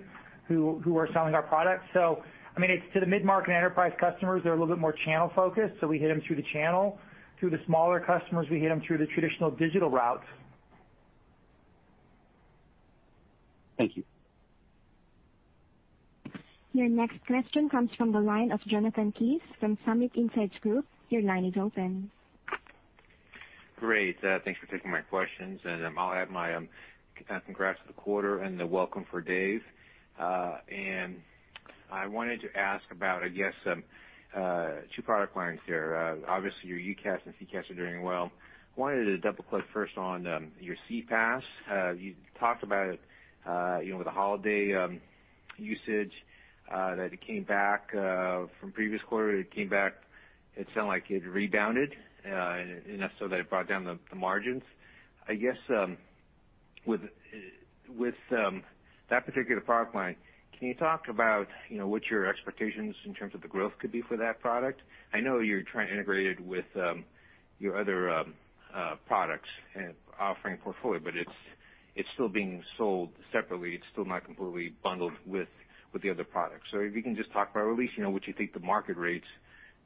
who are selling our products. To the mid-market enterprise customers, they're a little bit more channel-focused, so we hit them through the channel. To the smaller customers, we hit them through the traditional digital routes. Thank you. Your next question comes from the line of Jonathan Kees from Summit Insights Group. Your line is open. Great. Thanks for taking my questions. I'll add my congrats to the quarter and the welcome for Dave. I wanted to ask about, I guess, two product lines here. Obviously, your UCaaS and CCaaS are doing well. Wanted to double-click first on your CPaaS. You talked about it with the holiday usage, that it came back from previous quarter. It came back, it sounded like it rebounded enough so that it brought down the margins. I guess with that particular product line, can you talk about what your expectations in terms of the growth could be for that product? I know you're trying to integrate it with your other products and offering portfolio, it's still being sold separately. It's still not completely bundled with the other products. If you can just talk about at least what you think the market rates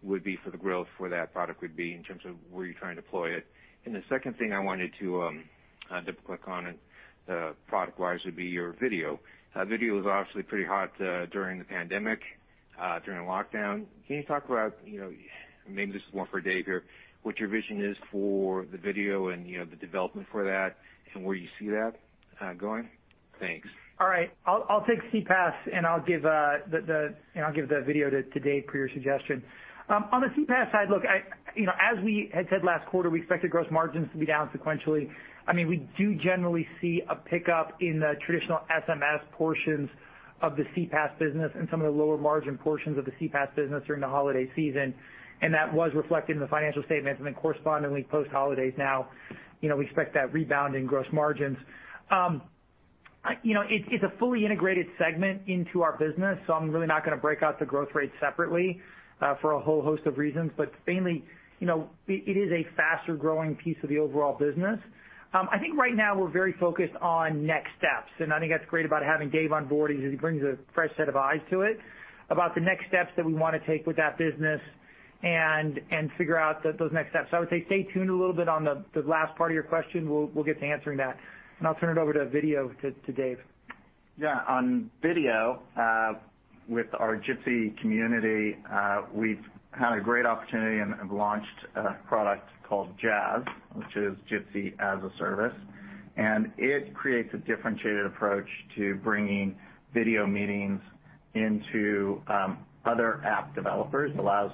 would be for the growth for that product would be in terms of where you're trying to deploy it. The second thing I wanted to double-click on it product-wise would be your video. Video was obviously pretty hot during the pandemic, during lockdown. Can you talk about, maybe this is more for Dave here, what your vision is for the video and the development for that and where you see that going? Thanks. All right. I'll take CPaaS, and I'll give the video to Dave per your suggestion. On the CPaaS side, look, as we had said last quarter, we expected gross margins to be down sequentially. We do generally see a pickup in the traditional SMS portions of the CPaaS business and some of the lower-margin portions of the CPaaS business during the holiday season, and that was reflected in the financial statements. Then correspondingly post-holidays now, we expect that rebound in gross margins. I think you see the fully integrated segment into our business, I'm really not going to break out the growth rates separately for a whole host of reasons. Mainly, it is a faster-growing piece of the overall business. I think right now we're very focused on next steps, and I think that's great about having Dave on board is he brings a fresh set of eyes to it about the next steps that we want to take with that business and figure out those next steps. I would say stay tuned a little bit on the last part of your question. We'll get to answering that. I'll turn it over to video to Dave. Yeah. On video, with our Jitsi community, we've had a great opportunity and launched a product called JaaS, which is Jitsi as a Service, and it creates a differentiated approach to bringing video meetings into other app developers. It allows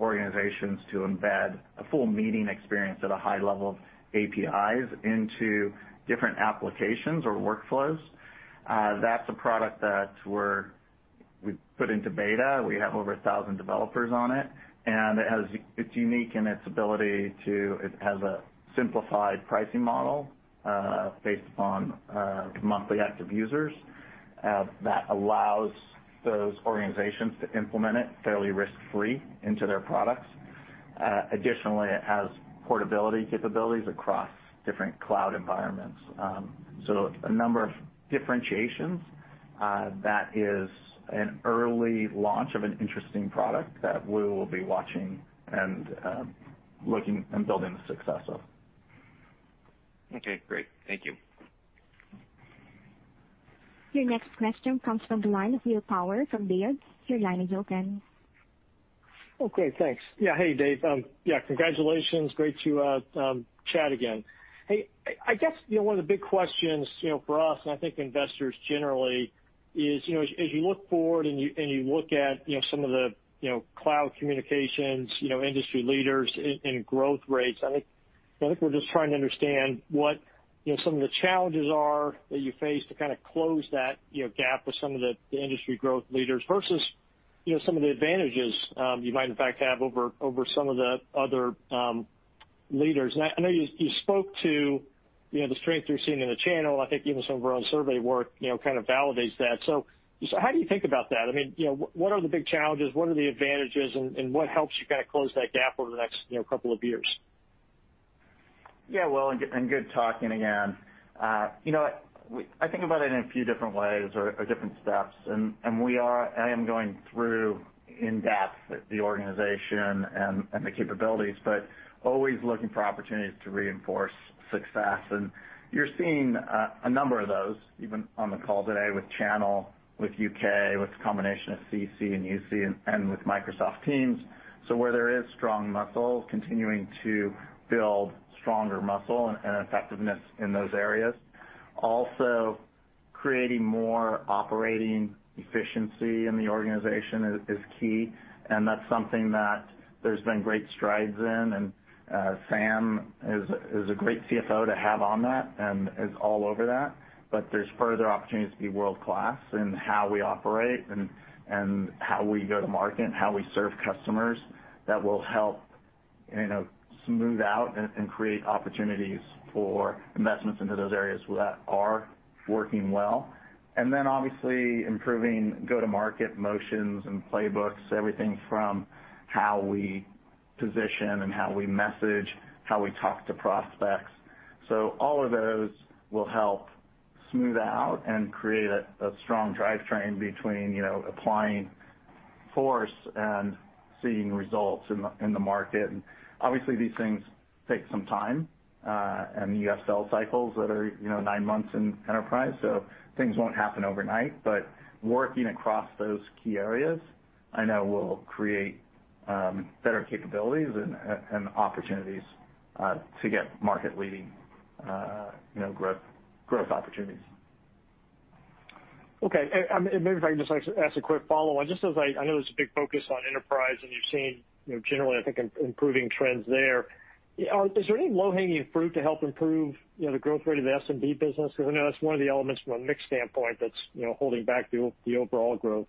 organizations to embed a full meeting experience at a high level of APIs into different applications or workflows. That's a product that we put into beta. We have over 1,000 developers on it. It has a simplified pricing model based upon monthly active users that allows those organizations to implement it fairly risk-free into their products. Additionally, it has portability capabilities across different cloud environments. A number of differentiations that is an early launch of an interesting product that we will be watching and looking and building the success of. Okay, great. Thank you. Your next question comes from the line of Bill Power from Baird. Your line is open. Okay, thanks. Yeah. Dave. Yeah, congratulations. Great to chat again. I guess one of the big questions for us, and I think investors generally, is as you look forward and you look at some of the cloud communications industry leaders in growth rates, I think we're just trying to understand what some of the challenges are that you face to close that gap with some of the industry growth leaders versus some of the advantages you might in fact have over some of the other leaders. I know you spoke to the strength you're seeing in the channel. I think even some of our own survey work kind of validates that. How do you think about that? What are the big challenges? What are the advantages, and what helps you close that gap over the next couple of years? Well, and good talking again. I think about it in a few different ways or different steps, and I am going through in depth the organization and the capabilities but always looking for opportunities to reinforce success. You're seeing a number of those even on the call today with channel, with U.K., with the combination of CC and UC, and with Microsoft Teams, so whether it is strong muscle continuing to build stronger muscle and effectiveness in those areas. Also creating more operating efficiency in the organization is key, and that's something that there's been great strides in, and Sam is a great CFO to have on that and is all over that. There's further opportunities to be world-class in how we operate and how we go to market and how we serve customers that will help smooth out and create opportunities for investments into those areas that are working well. Then obviously improving go-to-market motions and playbooks, everything from how we position and how we message, how we talk to prospects. All of those will help smooth out and create a strong drivetrain between applying force and seeing results in the market. Obviously these things take some time, and you have sales cycles that are nine months in enterprise, so things won't happen overnight. Working across those key areas, I know will create better capabilities and opportunities to get market-leading growth opportunities. Okay. Maybe if I can just ask a quick follow-on. I know there's a big focus on enterprise, and you're seeing generally, I think, improving trends there. Is there any low-hanging fruit to help improve the growth rate of the SMB business? I know that's one of the elements from a mix standpoint that's holding back the overall growth.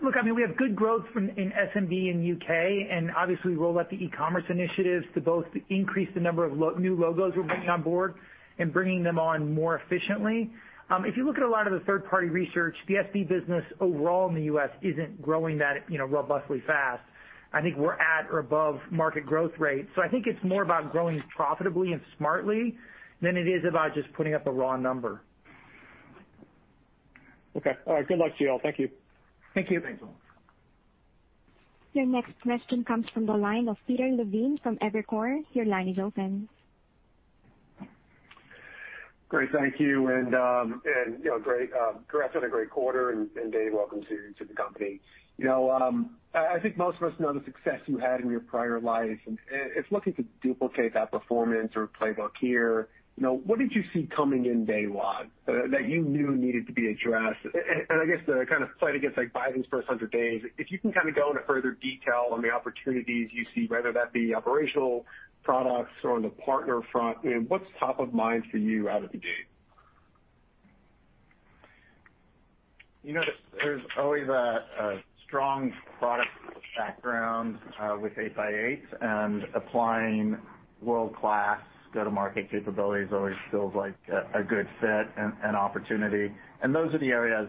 Look, we have good growth in SMB in the U.K., obviously we rolled out the e-commerce initiatives to both increase the number of new logos we're bringing on board and bringing them on more efficiently. If you look at a lot of the third-party research, the SMB business overall in the U.S. isn't growing that robustly fast. I think we're at or above market growth rate. I think it's more about growing profitably and smartly than it is about just putting up a raw number. Okay. All right. Good luck to you all. Thank you. Thank you. Thanks. Your next question comes from the line of Peter Levine from Evercore. Your line is open. Great. Thank you. Congrats on a great quarter, and Dave, welcome to the company. I think most of us know the success you had in your prior life, and if looking to duplicate that performance or playbook here, what did you see coming in day one that you knew needed to be addressed? I guess the kind of fight against Biden's first 100 days, if you can go into further detail on the opportunities you see, whether that be operational products or on the partner front, what's top of mind for you out of the gate? There's always a strong product background with 8x8, and applying world-class go-to-market capabilities always feels like a good fit and opportunity. Those are the areas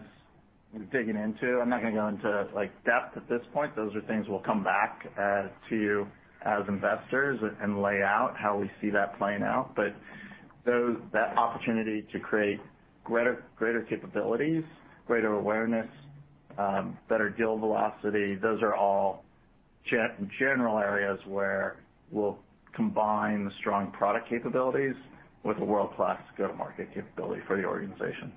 we're digging into. I'm not going to go into depth at this point. Those are things we'll come back to as investors, and lay out how we see that playing out. That opportunity to create greater capabilities, greater awareness, better deal velocity, those are all general areas where we'll combine the strong product capabilities with a world-class go-to-market capability for the organization.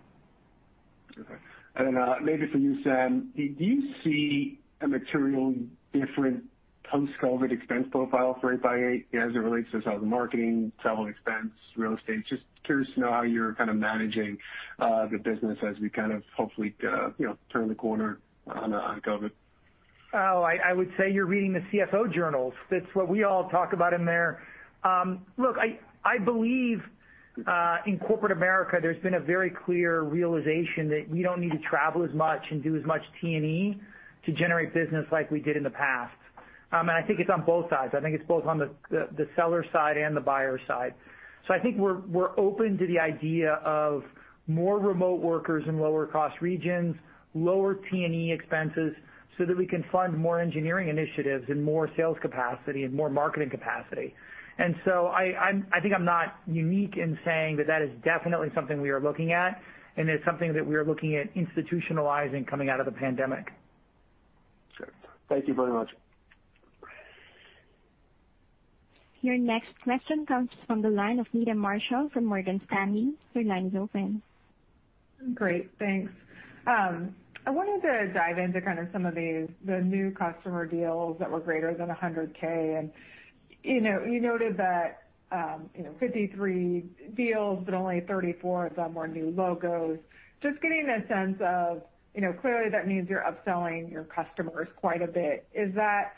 Okay. Maybe for you, Sam, do you see a material different post-COVID-19 expense profile for 8x8 as it relates to sales and marketing, travel expense, real estate? Just curious to know how you're kind of managing the business as we kind of hopefully turn the corner on COVID-19. I would say you're reading the CFO journals. That's what we all talk about in there. Look, I believe in corporate America, there's been a very clear realization that you don't need to travel as much and do as much T&E to generate business like we did in the past. I think it's on both sides. I think it's both on the seller side and the buyer side. I think we're open to the idea of more remote workers in lower cost regions, lower T&E expenses so that we can fund more engineering initiatives and more sales capacity and more marketing capacity. I think I'm not unique in saying that that is definitely something we are looking at, and it's something that we are looking at institutionalizing coming out of the pandemic. Sure. Thank you very much. Your next question comes from the line of Meta Marshall from Morgan Stanley. Your line is open. Great, thanks. I wanted to dive into some of the new customer deals that were greater than $100,000, and you noted that 53 deals but only 34 of them were new logos. Just getting a sense of, clearly that means you're upselling your customers quite a bit. Is that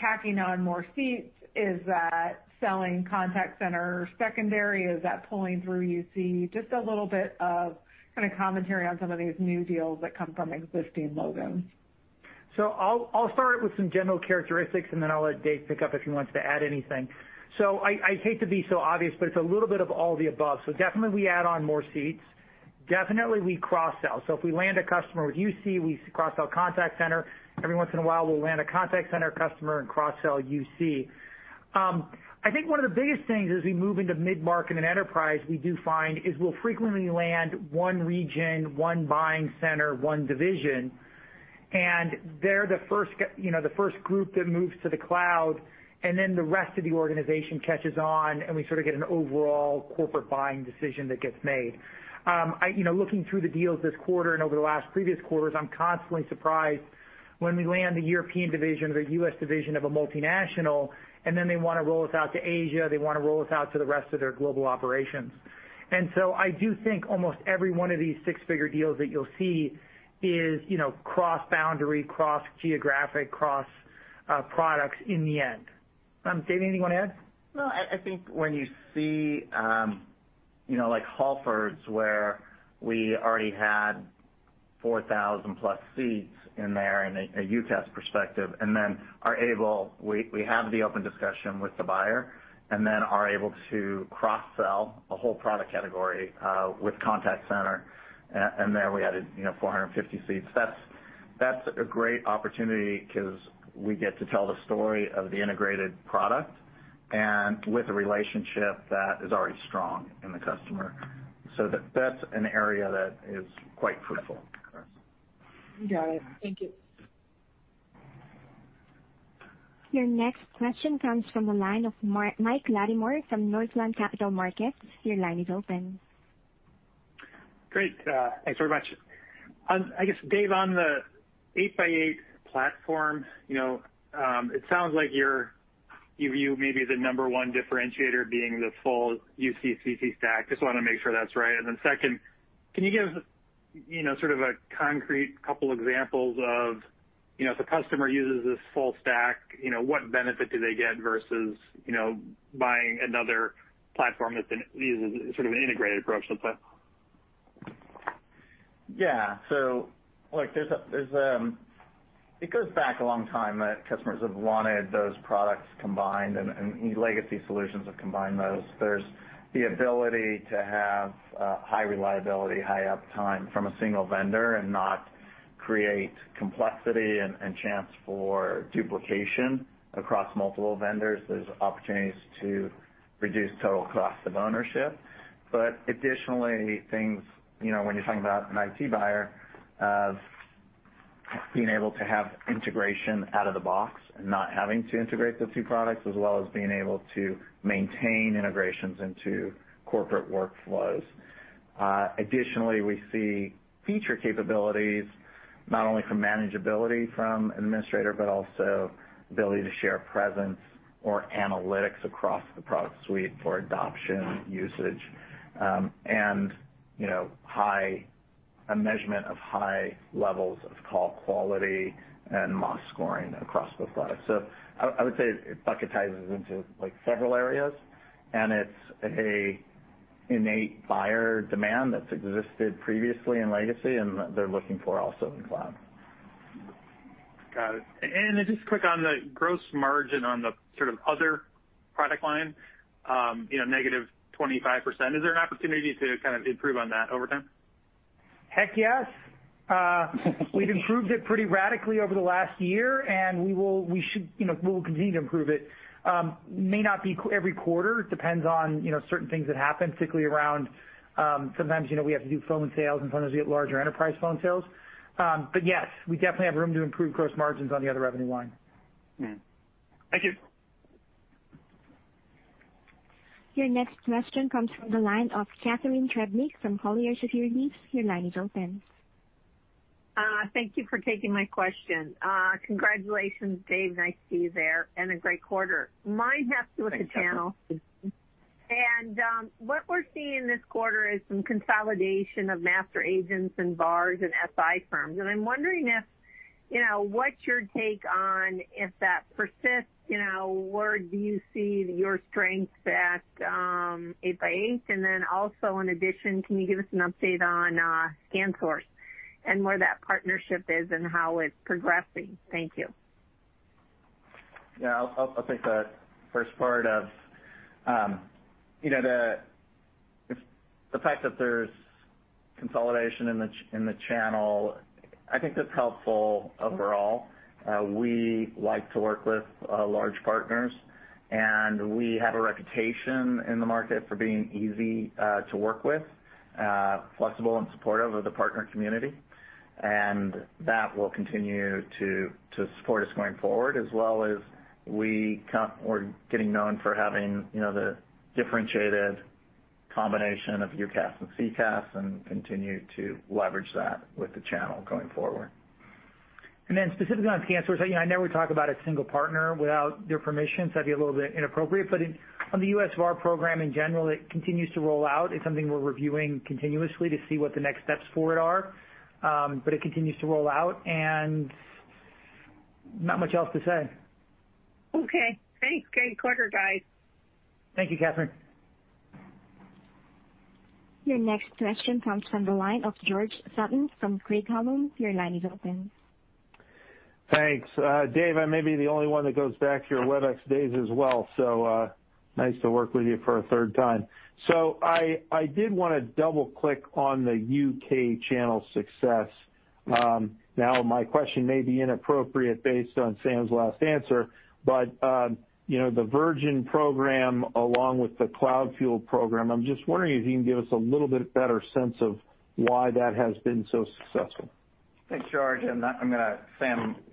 tacking on more seats? Is that selling Contact Center secondary? Is that pulling through UC? Just a little bit of commentary on some of these new deals that come from existing logos. I'll start with some general characteristics, and then I'll let Dave pick up if he wants to add anything. I hate to be so obvious, but it's a little bit of all the above. Definitely we add on more seats. Definitely we cross-sell. If we land a customer with UC, we cross-sell contact center. Every once in a while, we'll land a contact center customer and cross-sell UC. I think one of the biggest things as we move into mid-market and enterprise, we do find, is we'll frequently land one region, one buying center, one division, and they're the first group that moves to the cloud, and then the rest of the organization catches on, and we sort of get an overall corporate buying decision that gets made. Looking through the deals this quarter and over the last previous quarters, I'm constantly surprised when we land the European division or the U.S. division of a multinational, and then they want to roll us out to Asia, they want to roll us out to the rest of their global operations. I do think almost every one of these six-figure deals that you'll see is cross-boundary, cross-geographic, cross products in the end. Dave, anything you want to add? No, I think when you see like Halfords, where we already had 4,000+ seats in there in a UCaaS perspective, we have the open discussion with the buyer and are able to cross-sell a whole product category with contact center. There we added 450 seats. That's a great opportunity because we get to tell the story of the integrated product and with a relationship that is already strong in the customer. That's an area that is quite fruitful. Got it. Thank you. Your next question comes from the line of Mike Latimore from Northland Capital Markets. Your line is open. Great. Thanks very much. I guess, Dave, on the 8x8 platform, it sounds like you view maybe the number one differentiator being the full UCCC stack. Just want to make sure that's right. Second, can you give sort of a concrete couple examples of if a customer uses this full stack, what benefit do they get versus buying another platform that uses sort of an integrated approach let's say? Look, it goes back a long time that customers have wanted those products combined, and legacy solutions have combined those. There's the ability to have high reliability, high uptime from a single vendor and not create complexity and chance for duplication across multiple vendors. There's opportunities to reduce total cost of ownership. Additionally, when you're talking about an IT buyer, of being able to have integration out of the box and not having to integrate the two products, as well as being able to maintain integrations into corporate workflows. Additionally, we see feature capabilities not only from manageability from an administrator, but also ability to share presence or analytics across the product suite for adoption usage. A measurement of high levels of call quality and MOS scoring across both products. I would say it bucketizes into several areas, and it's a innate buyer demand that's existed previously in legacy, and that they're looking for also in cloud. Got it. Just quick on the gross margin on the sort of other product line, -25%. Is there an opportunity to kind of improve on that over time? Heck yes. We've improved it pretty radically over the last year, and we will continue to improve it. May not be every quarter. It depends on certain things that happen, sometimes we have to do phone sales and sometimes we get larger enterprise phone sales. Yes, we definitely have room to improve gross margins on the other revenue line. Thank you. Your next question comes from the line of Catharine Trebnick from Colliers Securities. Your line is open. Thank you for taking my question. Congratulations, Dave, nice to see you there, and a great quarter. Mine has to do with. Thanks, Catharine. The channel. What we're seeing this quarter is some consolidation of master agents and VARs and SI firms. I'm wondering what's your take on if that persists, where do you see your strengths at 8x8? Also, in addition, can you give us an update on ScanSource and where that partnership is and how it's progressing? Thank you. Yeah. I'll take the first part of the fact that there's consolidation in the channel. I think that's helpful overall. We like to work with large partners, and we have a reputation in the market for being easy to work with, flexible and supportive of the partner community, and that will continue to support us going forward as well as we're getting known for having the differentiated combination of UCaaS and CCaaS and continue to leverage that with the channel going forward. Specifically on ScanSource, I never talk about a single partner without their permission, so that'd be a little bit inappropriate. On the U.S. VAR program in general, it continues to roll out. It's something we're reviewing continuously to see what the next steps for it are. It continues to roll out, and not much else to say. Okay. Thanks. Great quarter, guys. Thank you, Catharine. Your next question comes from the line of George Sutton from Craig-Hallum. Your line is open. Thanks. Dave, I may be the only one that goes back to your Webex days as well. Nice to work with you for a third time. I did want to double-click on the U.K. channel success. My question may be inappropriate based on Sam's last answer, but the Virgin program along with the CloudFuel program, I'm just wondering if you can give us a little bit better sense of why that has been so successful. Thanks, George. Sam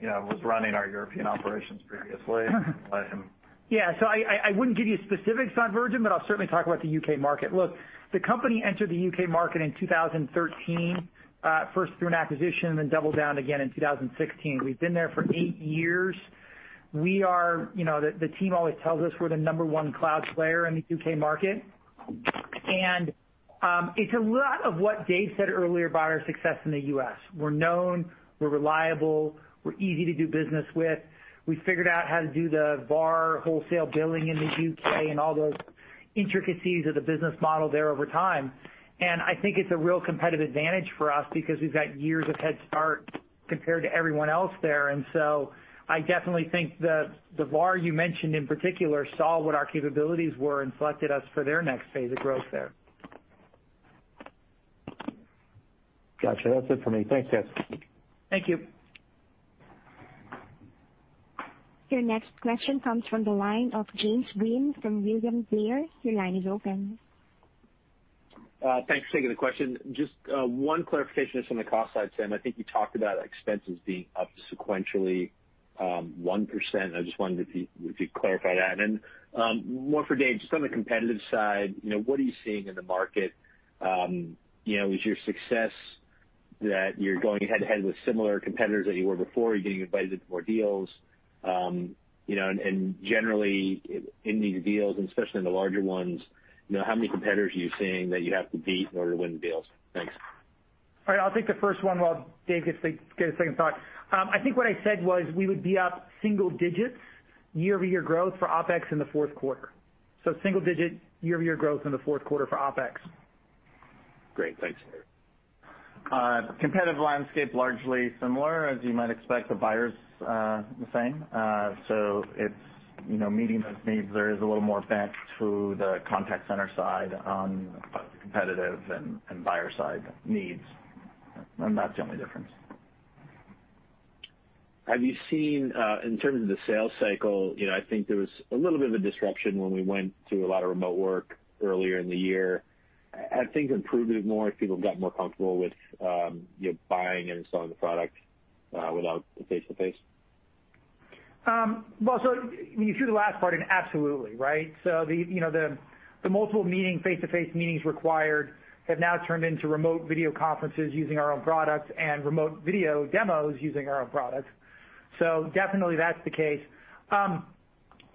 was running our European operations previously. I wouldn't give you specifics on Virgin, but I'll certainly talk about the U.K. market. The company entered the U.K. market in 2013, first through an acquisition, then doubled down again in 2016. We've been there for eight years. The team always tells us we're the number one cloud player in the U.K. market. It's a lot of what Dave said earlier about our success in the U.S. We're known, we're reliable, we're easy to do business with. We figured out how to do the VAR wholesale billing in the U.K. and all those intricacies of the business model there over time. I think it's a real competitive advantage for us because we've got years of head start compared to everyone else there. I definitely think the VAR you mentioned in particular saw what our capabilities were and selected us for their next phase of growth there. Gotcha. That's it for me. Thanks, guys. Thank you. Your next question comes from the line of James Breen from William Blair. Your line is open. Thanks for taking the question. Just one clarification just on the cost side, Tim, I think you talked about expenses being up sequentially 1%. I just wondered if you'd clarify that. More for Dave, just on the competitive side, what are you seeing in the market? Is your success that you're going head-to-head with similar competitors as you were before? Are you getting invited to more deals? Generally in these deals, and especially in the larger ones, how many competitors are you seeing that you have to beat in order to win the deals? Thanks. All right. I'll take the first one while Dave gets a second thought. I think what I said was we would be up single digits year-over-year growth for OpEx in the fourth quarter. Single digit year-over-year growth in the fourth quarter for OpEx. Great. Thanks. Competitive landscape, largely similar, as you might expect, the buyer's the same. It's meeting those needs. There is a little more bent to the contact center side on competitive and buyer side needs. That's the only difference. Have you seen, in terms of the sales cycle, I think there was a little bit of a disruption when we went to a lot of remote work earlier in the year. Have things improved more as people have gotten more comfortable with buying and installing the product without face-to-face? You threw the last part in. Absolutely. Right? The multiple face-to-face meetings required have now turned into remote video conferences using our own products and remote video demos using our own products. Definitely that's the case.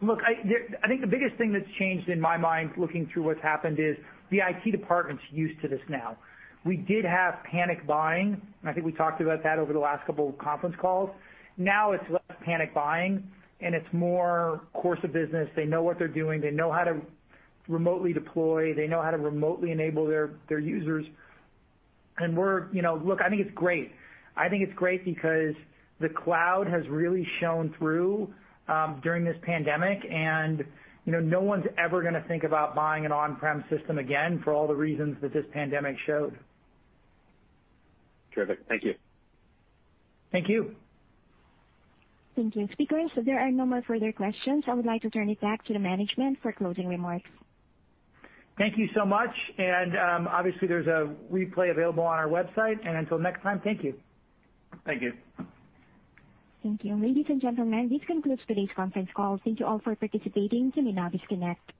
Look, I think the biggest thing that's changed in my mind looking through what's happened is the IT department's used to this now. We did have panic buying, and I think we talked about that over the last couple of conference calls. Now it's less panic buying and it's more course of business. They know what they're doing. They know how to remotely deploy. They know how to remotely enable their users. Look, I think it's great. I think it's great because the cloud has really shown through during this pandemic, and no one's ever gonna think about buying an on-prem system again for all the reasons that this pandemic showed. Terrific. Thank you. Thank you. Thank you, speakers. There are no more further questions. I would like to turn it back to the management for closing remarks. Thank you so much. Obviously there's a replay available on our website. Until next time, thank you. Thank you. Thank you. Ladies and gentlemen, this concludes today's conference call. Thank you all for participating. You may now disconnect.